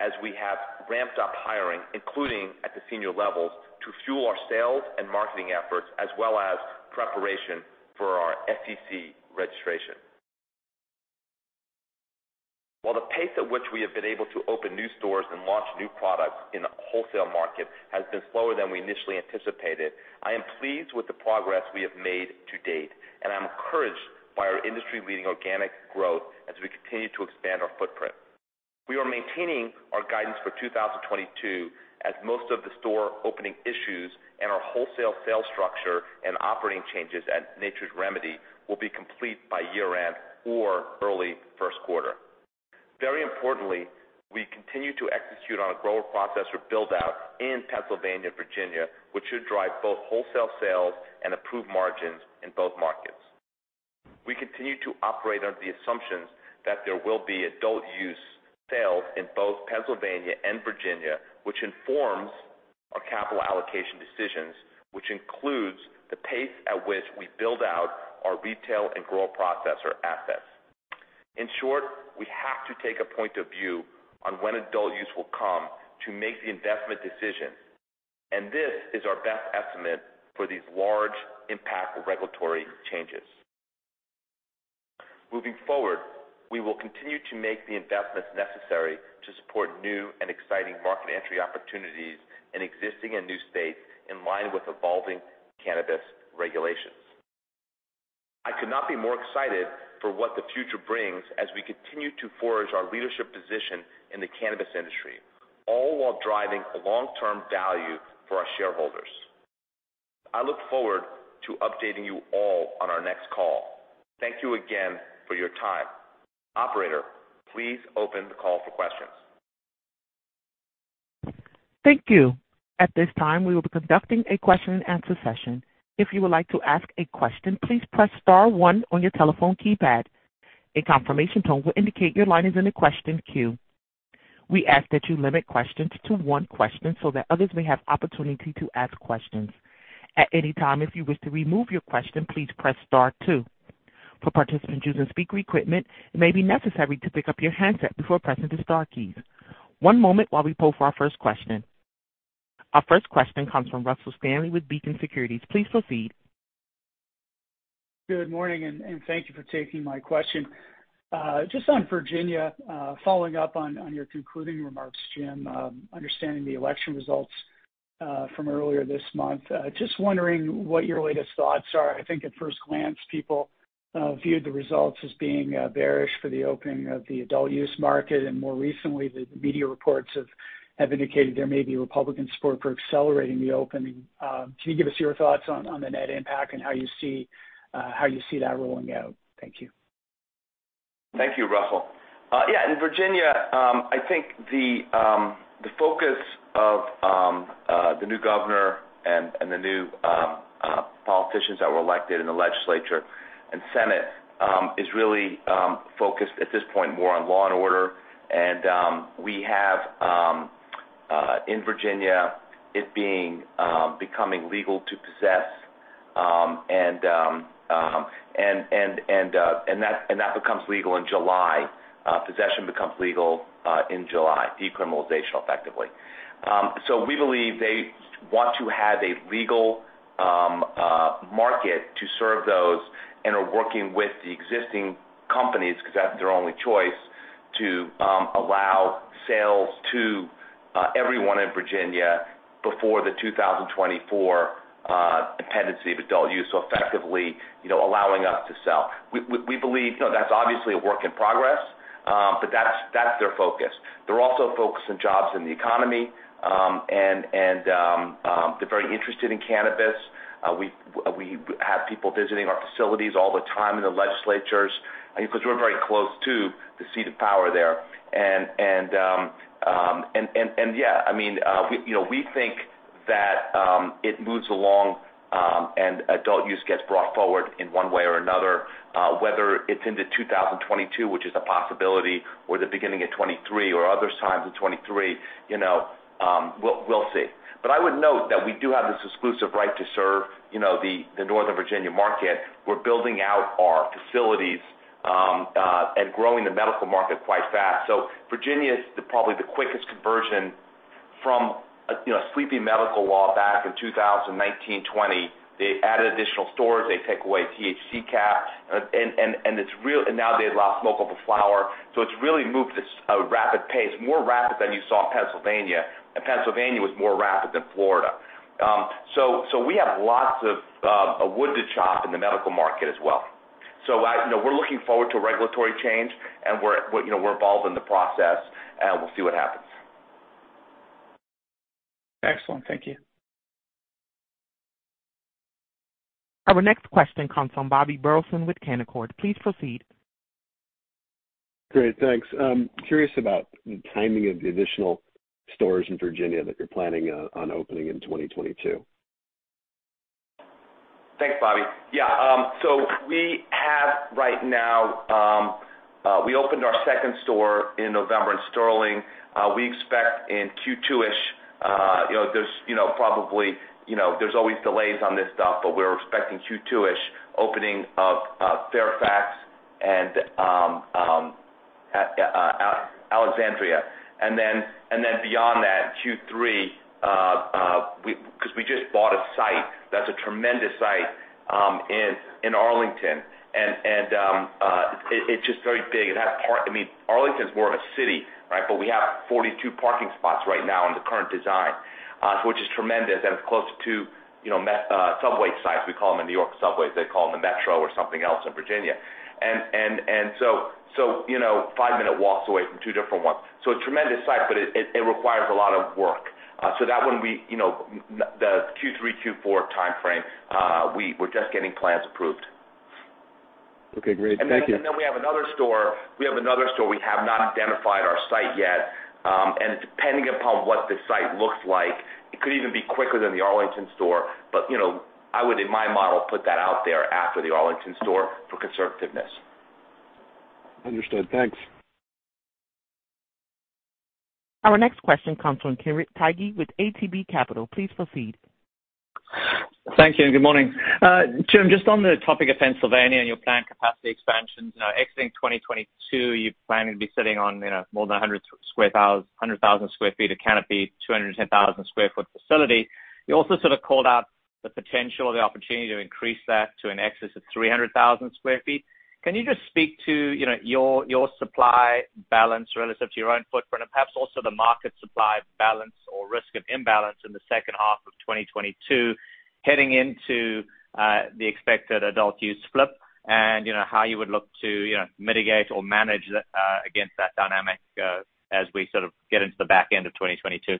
as we have ramped up hiring, including at the senior levels, to fuel our sales and marketing efforts, as well as preparation for our SEC registration. While the pace at which we have been able to open new stores and launch new products in the wholesale market has been slower than we initially anticipated, I am pleased with the progress we have made to date, and I'm encouraged by our industry-leading organic growth as we continue to expand our footprint. We are maintaining our guidance for 2022 as most of the store opening issues and our wholesale sales structure and operating changes at Nature's Remedy will be complete by year-end or early first quarter. Very importantly, we continue to execute on a grower-processor build-out in Pennsylvania, Virginia, which should drive both wholesale sales and improved margins in both markets. We continue to operate under the assumptions that there will be adult-use sales in both Pennsylvania and Virginia, which informs our capital allocation decisions, which includes the pace at which we build out our retail and grower-processor assets. In short, we have to take a point of view on when adult-use will come to make the investment decision, and this is our best estimate for these large impact regulatory changes. Moving forward, we will continue to make the investments necessary to support new and exciting market entry opportunities in existing and new states in line with evolving cannabis regulations. I could not be more excited for what the future brings as we continue to forge our leadership position in the cannabis industry, all while driving long-term value for our shareholders. I look forward to updating you all on our next call. Thank you again for your time. Operator, please open the call for questions. Thank you. At this time, we will be conducting a question and answer session. If you would like to ask a question, please press star one on your telephone keypad. A confirmation tone will indicate your line is in the question queue. We ask that you limit questions to one question so that others may have opportunity to ask questions. At any time, if you wish to remove your question, please press star two. For participants using speaker equipment, it may be necessary to pick up your handset before pressing the star keys. One moment while we poll for our first question. Our first question comes from Russell Stanley with Beacon Securities. Please proceed. Good morning, and thank you for taking my question. Just on Virginia, following up on your concluding remarks, Jim, understanding the election results from earlier this month. Just wondering what your latest thoughts are. I think at first glance, people viewed the results as being bearish for the opening of the adult-use market, and more recently, the media reports have indicated there may be Republican support for accelerating the opening. Can you give us your thoughts on the net impact and how you see that rolling out? Thank you. Thank you, Russell. Yeah, in Virginia, I think the focus of the new governor and the new politicians that were elected in the legislature and Senate is really focused at this point more on law and order. We have, in Virginia, it becoming legal to possess, and that becomes legal in July. Possession becomes legal in July, decriminalization effectively. We believe they want to have a legal market to serve those and are working with the existing companies because that's their only choice to allow sales to everyone in Virginia before the 2024 implementation of adult use. Effectively, you know, allowing us to sell. We believe... You know, that's obviously a work in progress, but that's their focus. They're also focused on jobs and the economy, and they're very interested in cannabis. We have people visiting our facilities all the time in the legislatures, because we're very close to the seat of power there. Yeah, I mean, you know, we think that it moves along, and adult use gets brought forward in one way or another, whether it's into 2022, which is a possibility, or the beginning of 2023 or other times in 2023, you know, we'll see. I would note that we do have this exclusive right to serve, you know, the Northern Virginia market. We're building out our facilities and growing the medical market quite fast. Virginia is probably the quickest conversion from a sleepy medical law back in 2019, 2020. They added additional stores, they take away THC cap, and now they allow smokeable flower. It's really moved at a rapid pace, more rapid than you saw in Pennsylvania, and Pennsylvania was more rapid than Florida. We have lots of wood to chop in the medical market as well. We're looking forward to a regulatory change, and we're involved in the process, and we'll see what happens. Excellent. Thank you. Our next question comes from Bobby Burleson with Canaccord. Please proceed. Great. Thanks. I'm curious about the timing of the additional stores in Virginia that you're planning on opening in 2022. Thanks, Bobby. Yeah, so we have right now, we opened our second store in November in Sterling. We expect in Q2-ish, you know, there's, you know, probably, you know, there's always delays on this stuff, but we're expecting Q2-ish opening of Fairfax and Alexandria. Then beyond that, Q3, we 'cause we just bought a site that's a tremendous site in Arlington, and it's just very big. It has. I mean, Arlington's more of a city, right? We have 42 parking spots right now in the current design, which is tremendous. It's close to, you know, subway sites. We call them the New York Subways. They call them the Metro or something else in Virginia. You know, five-minute walks away from two different ones. A tremendous site, but it requires a lot of work. That one, we, you know, in the Q3, Q4 timeframe, we're just getting plans approved. Okay, great. Thank you. We have another store. We have not identified our site yet. Depending upon what the site looks like, it could even be quicker than the Arlington store. You know, I would, in my model, put that out there after the Arlington store for conservativeness. Understood. Thanks. Our next question comes from Kenric Tyghe with ATB Capital. Please proceed. Thank you, and good morning. Jim, just on the topic of Pennsylvania and your planned capacity expansions, you know, exiting 2022, you're planning to be sitting on, you know, more than 100,000 sq ft of canopy, 210,000 sq ft facility. You also sort of called out the potential or the opportunity to increase that to an excess of 300,000 sq ft. Can you just speak to, you know, your supply balance relative to your own footprint and perhaps also the market supply balance or risk of imbalance in the second half of 2022 heading into, the expected adult use flip and, you know, how you would look to, you know, mitigate or manage, against that dynamic, as we sort of get into the back end of 2022? Yeah.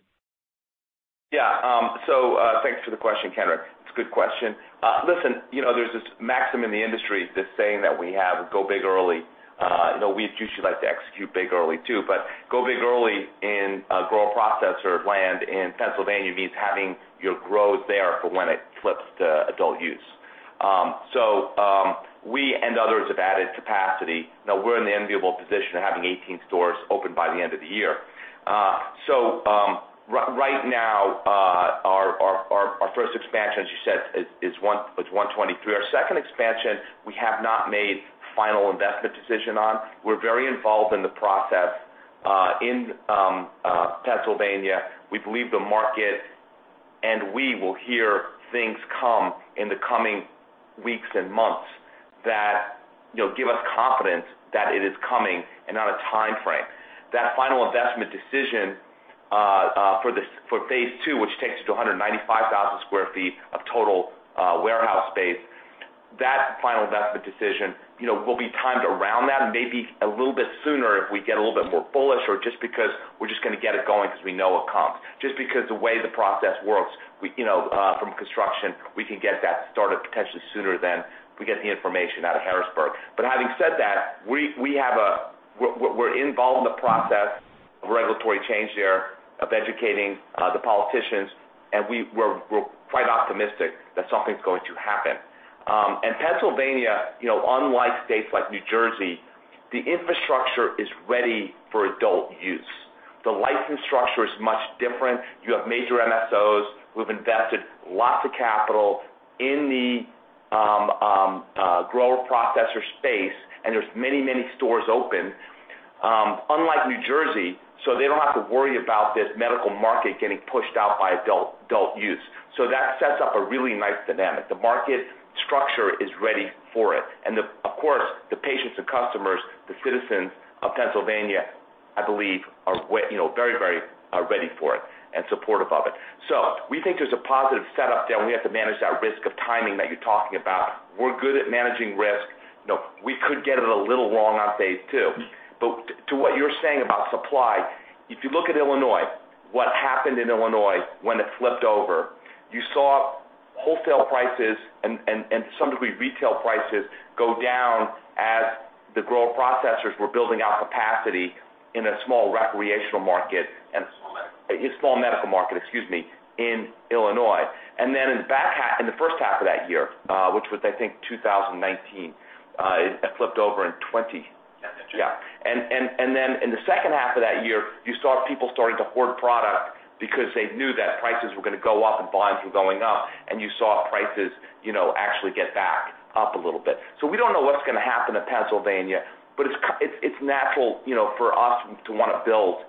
So, thanks for the question, Kenric. It's a good question. Listen, you know, there's this maxim in the industry, this saying that we have, go big early. You know, we do like to execute big early too, but go big early in a grower-processor land in Pennsylvania means having your grows there for when it flips to adult use. So, we and others have added capacity. Now, we're in the enviable position of having 18 stores open by the end of the year. So, right now, our first expansion, as you said, is 123. Our second expansion, we have not made final investment decision on. We're very involved in the process in Pennsylvania. We believe the market, and we will hear things come in the coming weeks and months that, you know, give us confidence that it is coming and on a timeframe. That final investment decision for this, for phase two, which takes it to 195,000 sq ft of total warehouse space. That final investment decision, you know, will be timed around that and maybe a little bit sooner if we get a little bit more bullish or just because we're just gonna get it going because we know it comes. Just because the way the process works, we, you know, from construction, we can get that started potentially sooner than if we get the information out of Harrisburg. Having said that, we're involved in the process of regulatory change there, of educating the politicians, and we're quite optimistic that something's going to happen. Pennsylvania, you know, unlike states like New Jersey, the infrastructure is ready for adult use. The license structure is much different. You have major MSOs who have invested lots of capital in the grower-processor space, and there's many stores open, unlike New Jersey, so they don't have to worry about this medical market getting pushed out by adult use. That sets up a really nice dynamic. The market structure is ready for it. The, of course, the patients and customers, the citizens of Pennsylvania, I believe are way, you know, very ready for it and supportive of it. We think there's a positive setup there, and we have to manage that risk of timing that you're talking about. We're good at managing risk. You know, we could get it a little wrong on phase two. To what you were saying about supply, if you look at Illinois, what happened in Illinois when it flipped over, you saw wholesale prices and to some degree, retail prices go down as the grower processors were building out capacity in a small recreational market. A small medical. A small medical market, excuse me, in Illinois. In the first half of that year, which was, I think, 2019, it flipped over in 2020. That's true. Yeah. Then in the second half of that year, you saw people starting to hoard product because they knew that prices were gonna go up and volumes were going up, and you saw prices, you know, actually get back up a little bit. We don't know what's gonna happen to Pennsylvania, but it's natural, you know, for us to wanna build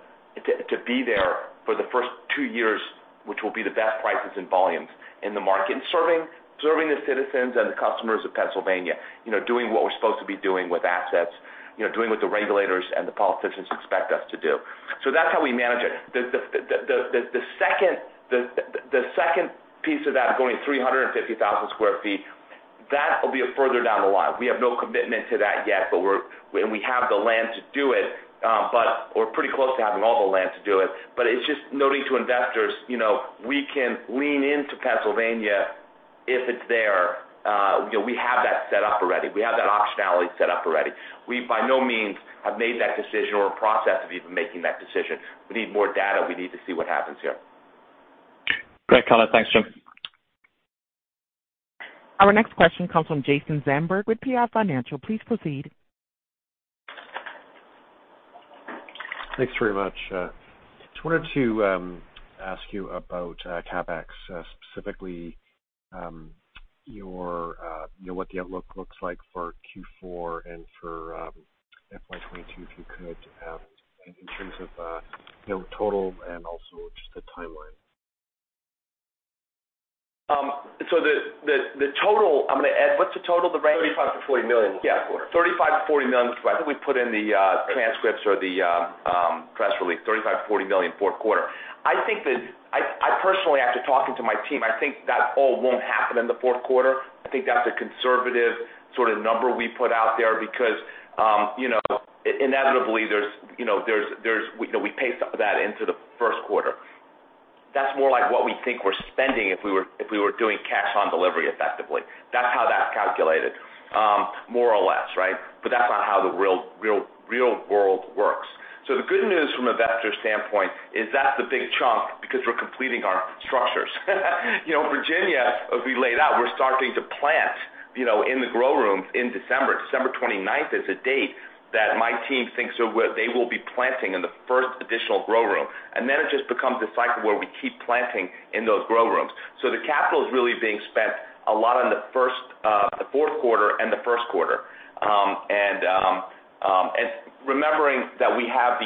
to be there for the first two years, which will be the best prices and volumes in the market and serving the citizens and the customers of Pennsylvania. You know, doing what we're supposed to be doing with assets, you know, doing what the regulators and the politicians expect us to do. That's how we manage it. The second piece of that going 350,000 sq ft, that will be further down the line. We have no commitment to that yet, but we're. We have the land to do it, but we're pretty close to having all the land to do it. But it's just noting to investors, you know, we can lean into Pennsylvania if it's there. You know, we have that set up already. We have that optionality set up already. We, by no means, have made that decision or a process of even making that decision. We need more data. We need to see what happens here. Great color. Thanks, Jim. Our next question comes from Jason Zandberg with PI Financial. Please proceed. Thanks very much. Just wanted to ask you about CapEx, specifically your you know, what the outlook looks like for Q4 and for FY 2022, if you could, in terms of you know, total and also just the timeline. What's the total range? $35 million-$40 million fourth quarter. Yeah. $35 million-$40 million. I think we put in the transcripts or the press release, $35 million-$40 million fourth quarter. I personally, after talking to my team, I think that all won't happen in the fourth quarter. I think that's a conservative sort of number we put out there because inevitably there's you know we pace that into the first quarter. That's more like what we think we're spending if we were doing cash on delivery effectively. That's how that's calculated more or less, right? But that's not how the real world works. So the good news from investor standpoint is that's a big chunk because we're completing our structures. You know, Virginia, as we laid out, we're starting to plant, you know, in the grow rooms in December. December twenty-ninth is the date that my team thinks they will be planting in the first additional grow room. Then it just becomes a cycle where we keep planting in those grow rooms. The capital is really being spent a lot in the fourth quarter and the first quarter. Remembering that we do have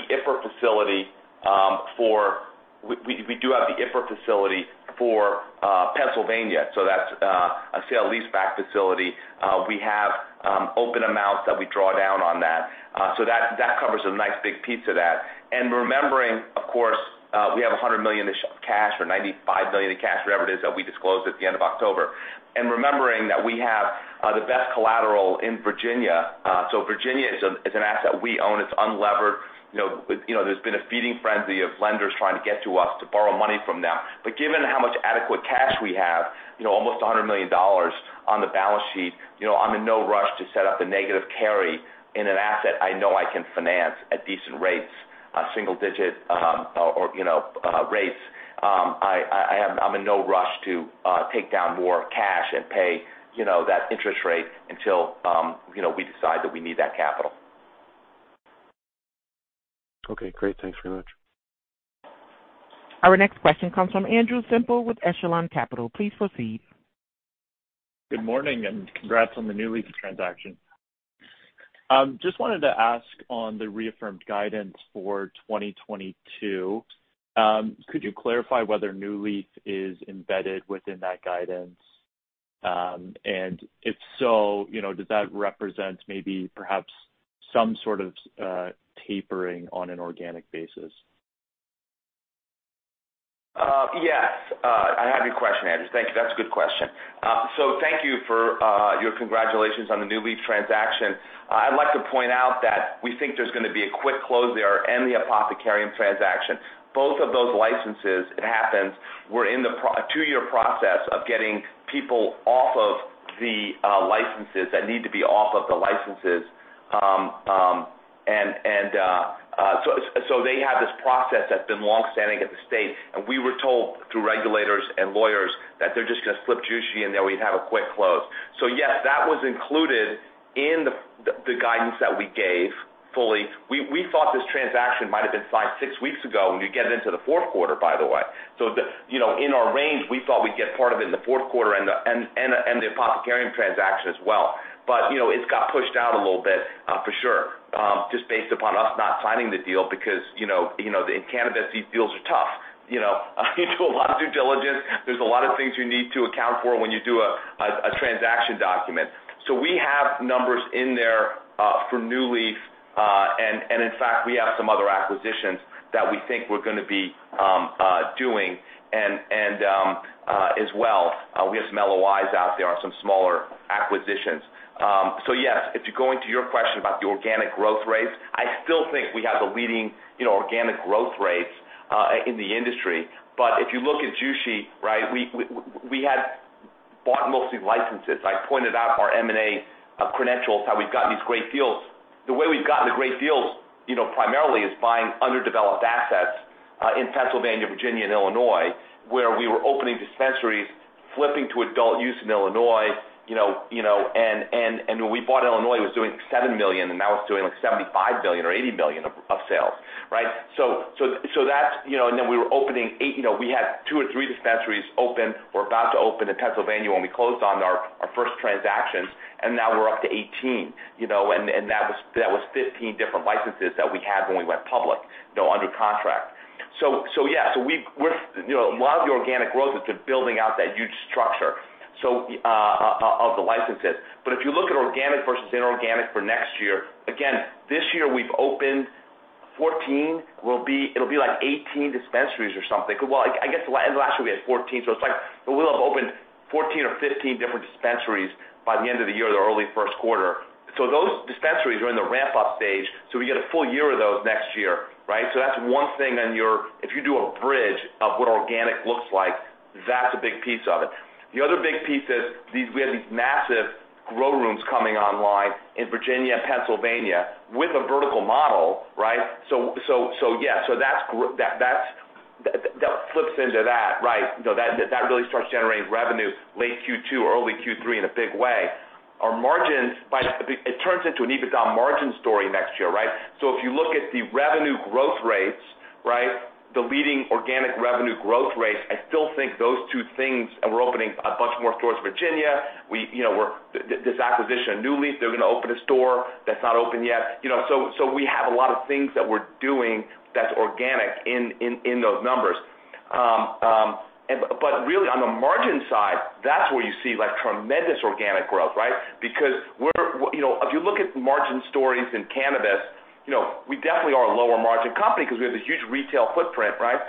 the IIPR facility for Pennsylvania, so that's a sale-leaseback facility. We have open amounts that we draw down on that. That covers a nice big piece of that. Remembering, of course, we have $100 million-ish of cash, or $95 million in cash, whatever it is that we disclosed at the end of October. Remembering that we have the best collateral in Virginia, so Virginia is an asset we own. It's unlevered. You know, there's been a feeding frenzy of lenders trying to get to us to borrow money from them. But given how much adequate cash we have, you know, almost $100 million on the balance sheet, you know, I'm in no rush to set up a negative carry in an asset I know I can finance at decent rates, single-digit or rates. I'm in no rush to take down more cash and pay, you know, that interest rate until we decide that we need that capital. Okay, great. Thanks very much. Our next question comes from Andrew Semple with Echelon Capital. Please proceed. Good morning and congrats on the NuLeaf, Inc. transaction. Just wanted to ask on the reaffirmed guidance for 2022, could you clarify whether NuLeaf, Inc. is embedded within that guidance? If so, you know, does that represent maybe perhaps some sort of tapering on an organic basis? Yes. I have your question, Andrew. Thank you. That's a good question. Thank you for your congratulations on the NuLeaf transaction. I'd like to point out that we think there's gonna be a quick close there and the Apothecarium transaction. Both of those licenses, it happens, were in the two-year process of getting people off of the licenses that need to be off of the licenses, and so they have this process that's been long-standing at the state, and we were told through regulators and lawyers that they're just gonna slip Jushi in there, we'd have a quick close. Yes, that was included in the guidance that we gave fully. We thought this transaction might have been signed six weeks ago when we get into the fourth quarter, by the way. You know, in our range, we thought we'd get part of it in the fourth quarter and the Apothecarium transaction as well. You know, it's got pushed out a little bit for sure, just based upon us not signing the deal because you know, in cannabis, these deals are tough. You know, you do a lot of due diligence. There's a lot of things you need to account for when you do a transaction document. We have numbers in there for NuLeaf. In fact, we have some other acquisitions that we think we're gonna be doing as well. We have some LOIs out there on some smaller acquisitions. Yes, if you go into your question about the organic growth rates, I still think we have the leading, you know, organic growth rates in the industry. But if you look at Jushi, right, we had bought mostly licenses. I pointed out our M&A credentials, how we've gotten these great deals. The way we've gotten the great deals, you know, primarily is buying underdeveloped assets in Pennsylvania, Virginia, and Illinois, where we were opening dispensaries, flipping to adult use in Illinois, you know. When we bought Illinois, it was doing $7 million, and now it's doing like $75 million or $80 million of sales, right? That's, you know. Then we were opening 8, you know, we had 2 or 3 dispensaries open. We're about to open in Pennsylvania when we closed on our first transactions, and now we're up to 18, you know. That was 15 different licenses that we had when we went public, you know, under contract. Yeah, we've been building out that huge structure of the licenses. A lot of the organic growth has been building out that huge structure of the licenses. If you look at organic versus inorganic for next year, again, this year we've opened 14. We'll be. It'll be like 18 dispensaries or something. Well, I guess last year we had 14, so it's like, but we'll have opened 14 or 15 different dispensaries by the end of the year or the early first quarter. Those dispensaries are in the ramp-up stage, so we get a full year of those next year, right? That's one thing on your... If you do a bridge of what organic looks like, that's a big piece of it. The other big piece is we have these massive grow rooms coming online in Virginia and Pennsylvania with a vertical model, right? Yeah. That flips into that, right. That really starts generating revenue late Q2 or early Q3 in a big way. Our margins... It turns into an EBITDA margin story next year, right? If you look at the revenue growth rates, right, the leading organic revenue growth rates, I still think those two things, and we're opening a bunch more stores in Virginia. This acquisition of NuLeaf, they're gonna open a store that's not open yet. You know, we have a lot of things that we're doing that's organic in those numbers. But really on the margin side, that's where you see, like, tremendous organic growth, right? Because we're, you know, if you look at margin stories in cannabis, you know, we definitely are a lower margin company 'cause we have this huge retail footprint, right?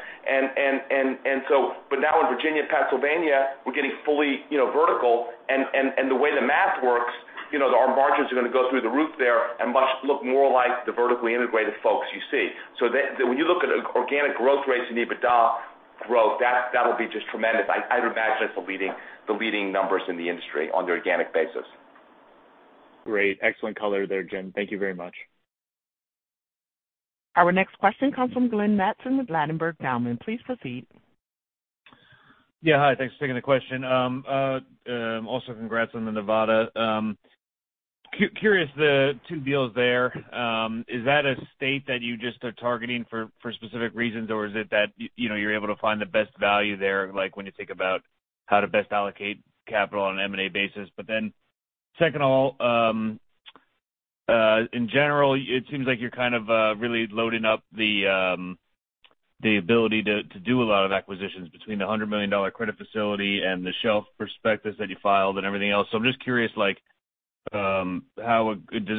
Now in Virginia and Pennsylvania, we're getting fully, you know, vertical and the way the math works, you know, our margins are gonna go through the roof there and will look much more like the vertically integrated folks you see. When you look at organic growth rates and EBITDA growth, that'll be just tremendous. I'd imagine it's the leading numbers in the industry on an organic basis. Great. Excellent color there, Jim. Thank you very much. Our next question comes from Glenn Mattson with Ladenburg Thalmann. Please proceed. Yeah, hi. Thanks for taking the question. Also congrats on the Nevada. Curious, the two deals there, is that a state that you just are targeting for specific reasons, or is it that, you know, you're able to find the best value there, like when you think about how to best allocate capital on an M&A basis? Then second of all, in general, it seems like you're kind of really loading up the ability to do a lot of acquisitions between the $100 million credit facility and the shelf prospectus that you filed and everything else. So I'm just curious, like, how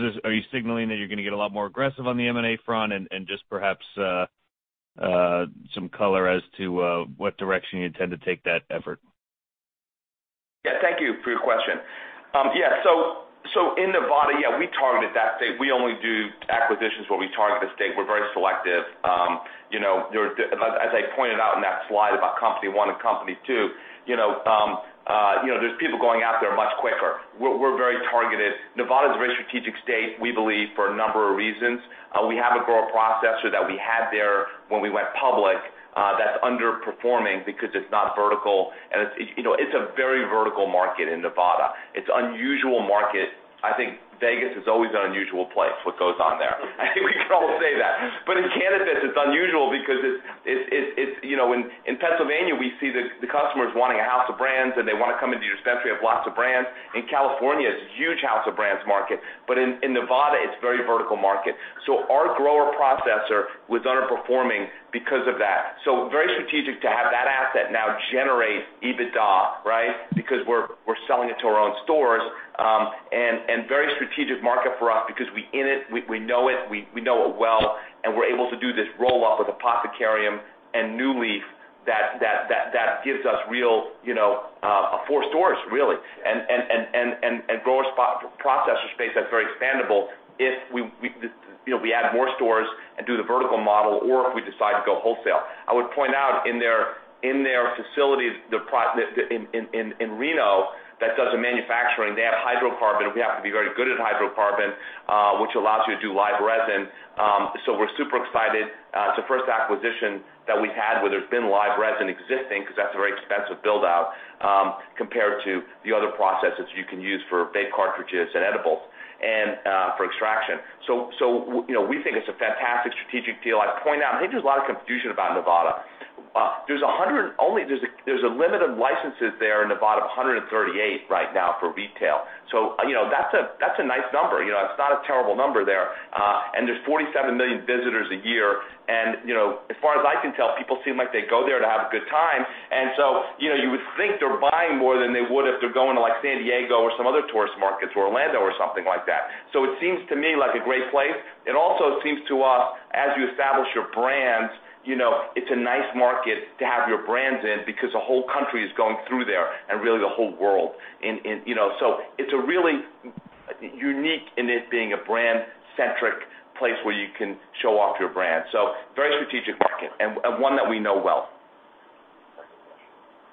does this? Are you signaling that you're gonna get a lot more aggressive on the M&A front? Just perhaps some color as to what direction you intend to take that effort? Yeah. Thank you for your question. Yeah, in Nevada, yeah, we targeted that state. We only do acquisitions where we target the state. We're very selective. You know, there, as I pointed out in that slide about company one and company two, you know, there's people going out there much quicker. We're very targeted. Nevada is a very strategic state, we believe, for a number of reasons. We have a grower-processor that we had there when we went public, that's underperforming because it's not vertical and it's, you know, it's a very vertical market in Nevada. It's unusual market. I think Vegas is always an unusual place, what goes on there. We can all say that. In cannabis, it's unusual because it's you know, in Pennsylvania, we see the customers wanting a house of brands, and they wanna come into your dispensary, have lots of brands. In California, it's huge house of brands market, but in Nevada, it's very vertical market. Our grower-processor was underperforming because of that. Very strategic to have that asset now generate EBITDA, right? Because we're selling it to our own stores. Very strategic market for us because we're in it, we know it well, and we're able to do this roll-up with Apothecarium and NuLeaf that gives us real, you know, four stores really and grower-processor space that's very expandable if we add more stores and do the vertical model or if we decide to go wholesale. I would point out in their facilities, the processing in Reno that does the manufacturing, they have hydrocarbon. We have to be very good at hydrocarbon, which allows you to do Live Resin. We're super excited. It's the first acquisition that we've had where there's been Live Resin existing because that's a very expensive build out, compared to the other processes you can use for vape cartridges and edibles and, for extraction. You know, we think it's a fantastic strategic deal. I'd point out, I think there's a lot of confusion about Nevada. There's a limit of licenses there in Nevada, 138 right now for retail. You know, that's a nice number. You know, it's not a terrible number there. There's 47 million visitors a year. You know, as far as I can tell, people seem like they go there to have a good time. You know, you would think they're buying more than they would if they're going to like San Diego or some other tourist markets or Orlando or something like that. It seems to me like a great place. It also seems to us as you establish your brands, you know, it's a nice market to have your brands in because the whole country is going through there and really the whole world. You know, it's a really unique in it being a brand centric place where you can show off your brand. Very strategic market and one that we know well.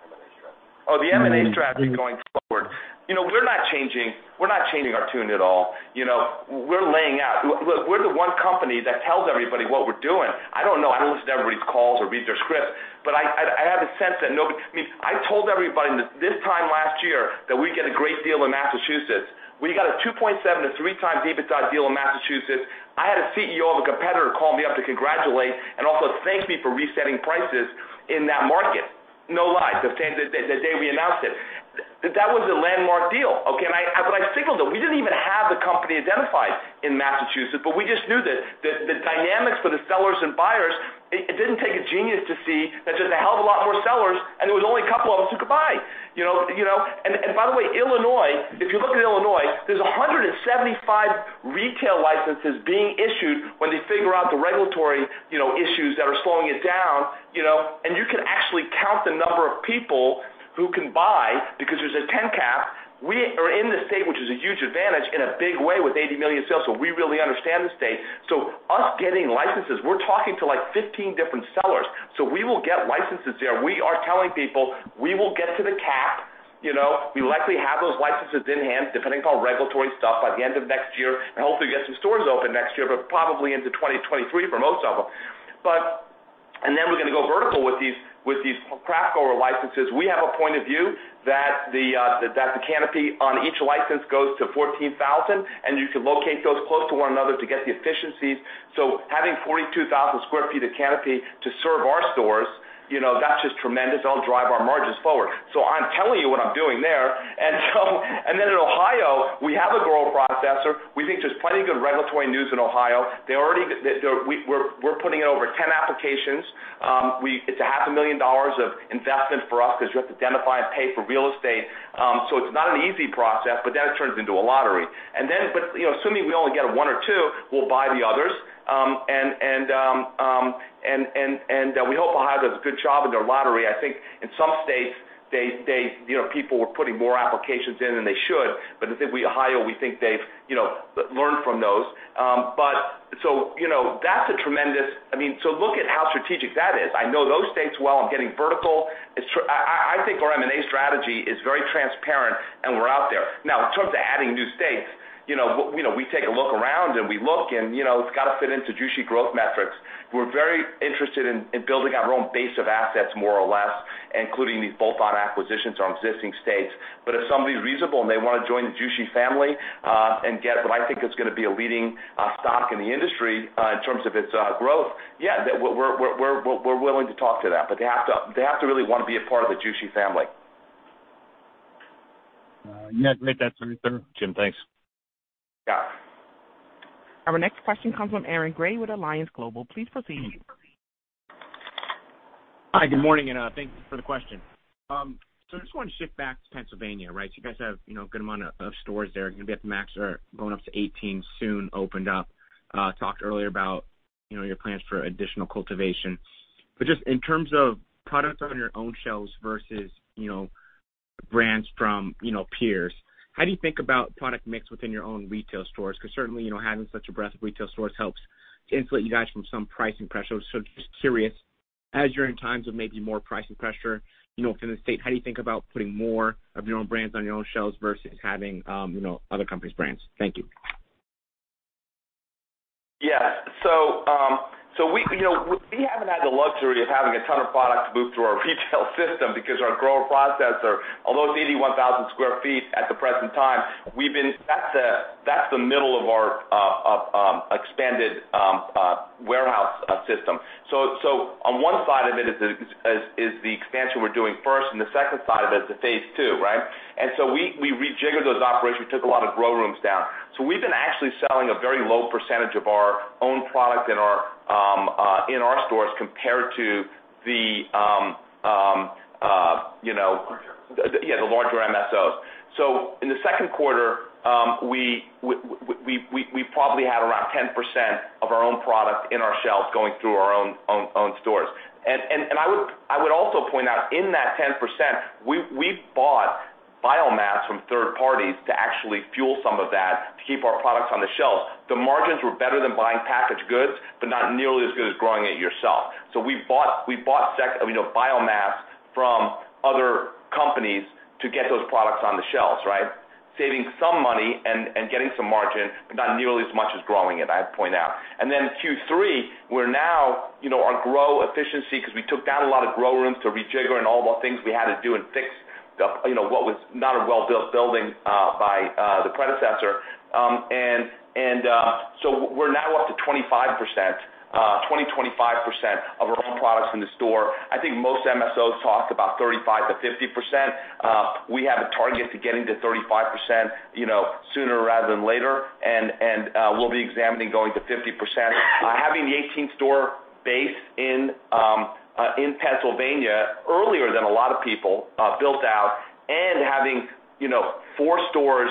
Second question. M&A strategy. Oh, the M&A strategy going forward. You know, we're not changing our tune at all. You know, we're laying out. Look, we're the one company that tells everybody what we're doing. I don't know, I don't listen to everybody's calls or read their scripts, but I have a sense that nobody. I mean, I told everybody this time last year that we'd get a great deal in Massachusetts. We got a 2.7x-3x EBITDA deal in Massachusetts. I had a CEO of a competitor call me up to congratulate and also thank me for resetting prices in that market. No lie. The same day we announced it. That was a landmark deal. Okay. I signaled it. We didn't even have the company identified in Massachusetts, but we just knew that the dynamics for the sellers and buyers, it didn't take a genius to see that there's a hell of a lot more sellers, and there was only a couple of us who could buy, you know. By the way, Illinois, if you look at Illinois, there's 175 retail licenses being issued when they figure out the regulatory, you know, issues that are slowing it down, you know. You can actually count the number of people who can buy because there's a 10 cap. We are in the state, which is a huge advantage in a big way with 80 million sales. We really understand the state. Us getting licenses, we're talking to like 15 different sellers. We will get licenses there. We are telling people we will get to the cap. You know, we likely have those licenses in hand, depending upon regulatory stuff by the end of next year and hopefully get some stores open next year, but probably into 2023 for most of them. We're gonna go vertical with these craft grower licenses. We have a point of view that the canopy on each license goes to 14,000, and you can locate those close to one another to get the efficiencies. So having 42,000 sq ft of canopy to serve our stores, you know, that's just tremendous. That'll drive our margins forward. So I'm telling you what I'm doing there. In Ohio, we have a grower-processor. We think there's plenty of good regulatory news in Ohio. They already, we're putting over 10 applications. It's a half a million dollars of investment for us because you have to identify and pay for real estate. It's not an easy process, but then it turns into a lottery. You know, assuming we only get one or two, we'll buy the others. We hope Ohio does a good job in their lottery. I think in some states, you know, people were putting more applications in than they should. I think Ohio, we think they've you know learned from those. You know, that's a tremendous. I mean, look at how strategic that is. I know those states well. I'm getting vertical. I think our M&A strategy is very transparent, and we're out there. Now, in terms of adding new states, you know, we know, we take a look around, and we look and, you know, it's got to fit into Jushi growth metrics. We're very interested in building our own base of assets more or less, including these bolt-on acquisitions on existing states. If somebody's reasonable and they wanna join the Jushi family, and get what I think is gonna be a leading stock in the industry, in terms of its growth. Yeah, we're willing to talk to that. They have to really wanna be a part of the Jushi family. Yeah. Great. That's everything, Jim. Thanks. Yeah. Our next question comes from Aaron Grey with Alliance Global Partners. Please proceed. Hi, good morning, and thank you for the question. I just want to shift back to Pennsylvania, right? You guys have, you know, a good amount of stores there, gonna be at the max or going up to 18 soon opened up. Talked earlier about, you know, your plans for additional cultivation. Just in terms of products on your own shelves versus, you know, brands from, you know, peers, how do you think about product mix within your own retail stores? Because certainly, you know, having such a breadth of retail stores helps to insulate you guys from some pricing pressure. Just curious, as you're in times of maybe more pricing pressure, you know, from the state, how do you think about putting more of your own brands on your own shelves versus having, you know, other companies' brands? Thank you. We haven't had the luxury of having a ton of products move through our retail system because our grower-processor, although it's 81,000 sq ft at the present time, we've been. That's the middle of our expanded warehouse system. On one side of it is the expansion we're doing first, and the second side of it is the phase two, right? We rejiggered those operations. We took a lot of grow rooms down. We've been actually selling a very low percentage of our own product in our stores compared to the you know- Larger. Yeah, the larger MSOs. In the second quarter, we probably had around 10% of our own product in our shelves going through our own stores. I would also point out in that 10%, we bought biomass from third parties to actually fuel some of that to keep our products on the shelves. The margins were better than buying packaged goods, but not nearly as good as growing it yourself. We bought you know, biomass from other companies to get those products on the shelves, right? Saving some money and getting some margin, but not nearly as much as growing it, I have to point out. Then Q3, we're now, you know, our grow efficiency because we took down a lot of grow rooms to rejigger and all the things we had to do and fix the, you know, what was not a well-built building by the predecessor. So we're now up to 25%, 25% of our own products in the store. I think most MSOs talk about 35%-50%. We have a target to getting to 35%, you know, sooner rather than later. We'll be examining going to 50%. Having the 18th store base in Pennsylvania earlier than a lot of people built out and having, you know, 4 stores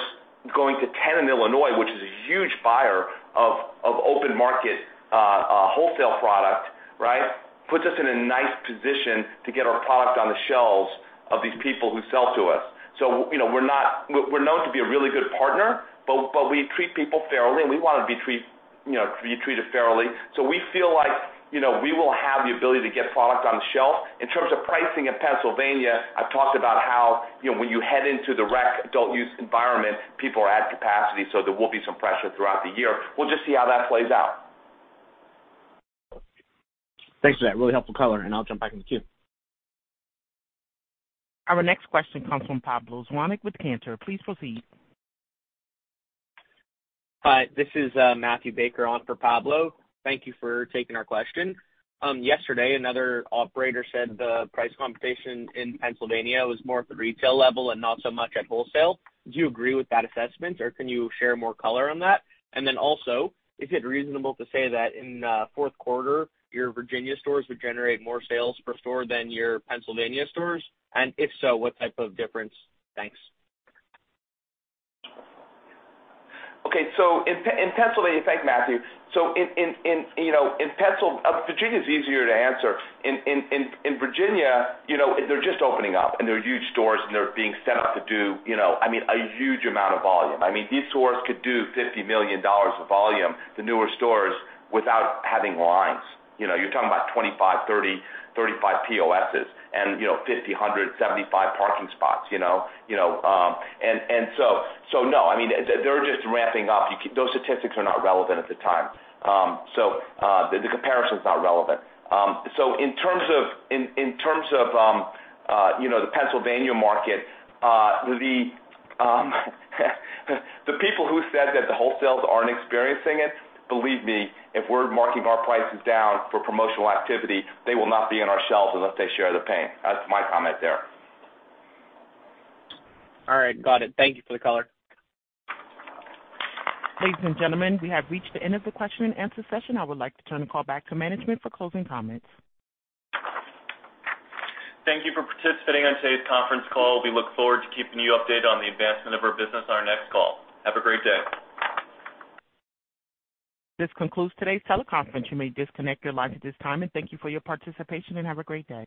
going to 10 in Illinois, which is a huge buyer of open market wholesale product, right? Puts us in a nice position to get our product on the shelves of these people who sell to us. You know, we're known to be a really good partner, but we treat people fairly, and we wanna be treated fairly. We feel like, you know, we will have the ability to get product on the shelf. In terms of pricing in Pennsylvania, I've talked about how, you know, when you head into the rec adult use environment, people are at capacity, so there will be some pressure throughout the year. We'll just see how that plays out. Thanks for that really helpful color, and I'll jump back in the queue. Our next question comes from Pablo Zuanic with Cantor. Please proceed. Hi, this is Matthew Baker on for Pablo. Thank you for taking our question. Yesterday, another operator said the price competition in Pennsylvania was more at the retail level and not so much at wholesale. Do you agree with that assessment, or can you share more color on that? And then also, is it reasonable to say that in fourth quarter, your Virginia stores would generate more sales per store than your Pennsylvania stores? And if so, what type of difference? Thanks. Okay. Thank you, Matthew. Virginia is easier to answer. In Virginia, you know, they're just opening up, and they're huge stores and they're being set up to do, you know, I mean, a huge amount of volume. I mean, these stores could do $50 million of volume per new store without having lines. You know, you're talking about 25, 30, 35 POSs and, you know, 50, 100, 175 parking spots, you know. No, I mean, they're just ramping up. Those statistics are not relevant at the time. The comparison's not relevant. In terms of you know, the Pennsylvania market, the people who said that the wholesalers aren't experiencing it, believe me, if we're marking our prices down for promotional activity, they will not be on our shelves unless they share the pain. That's my comment there. All right. Got it. Thank you for the color. Ladies and gentlemen, we have reached the end of the question and answer session. I would like to turn the call back to management for closing comments. Thank you for participating on today's conference call. We look forward to keeping you updated on the advancement of our business on our next call. Have a great day. This concludes today's teleconference. You may disconnect your line at this time. Thank you for your participation, and have a great day.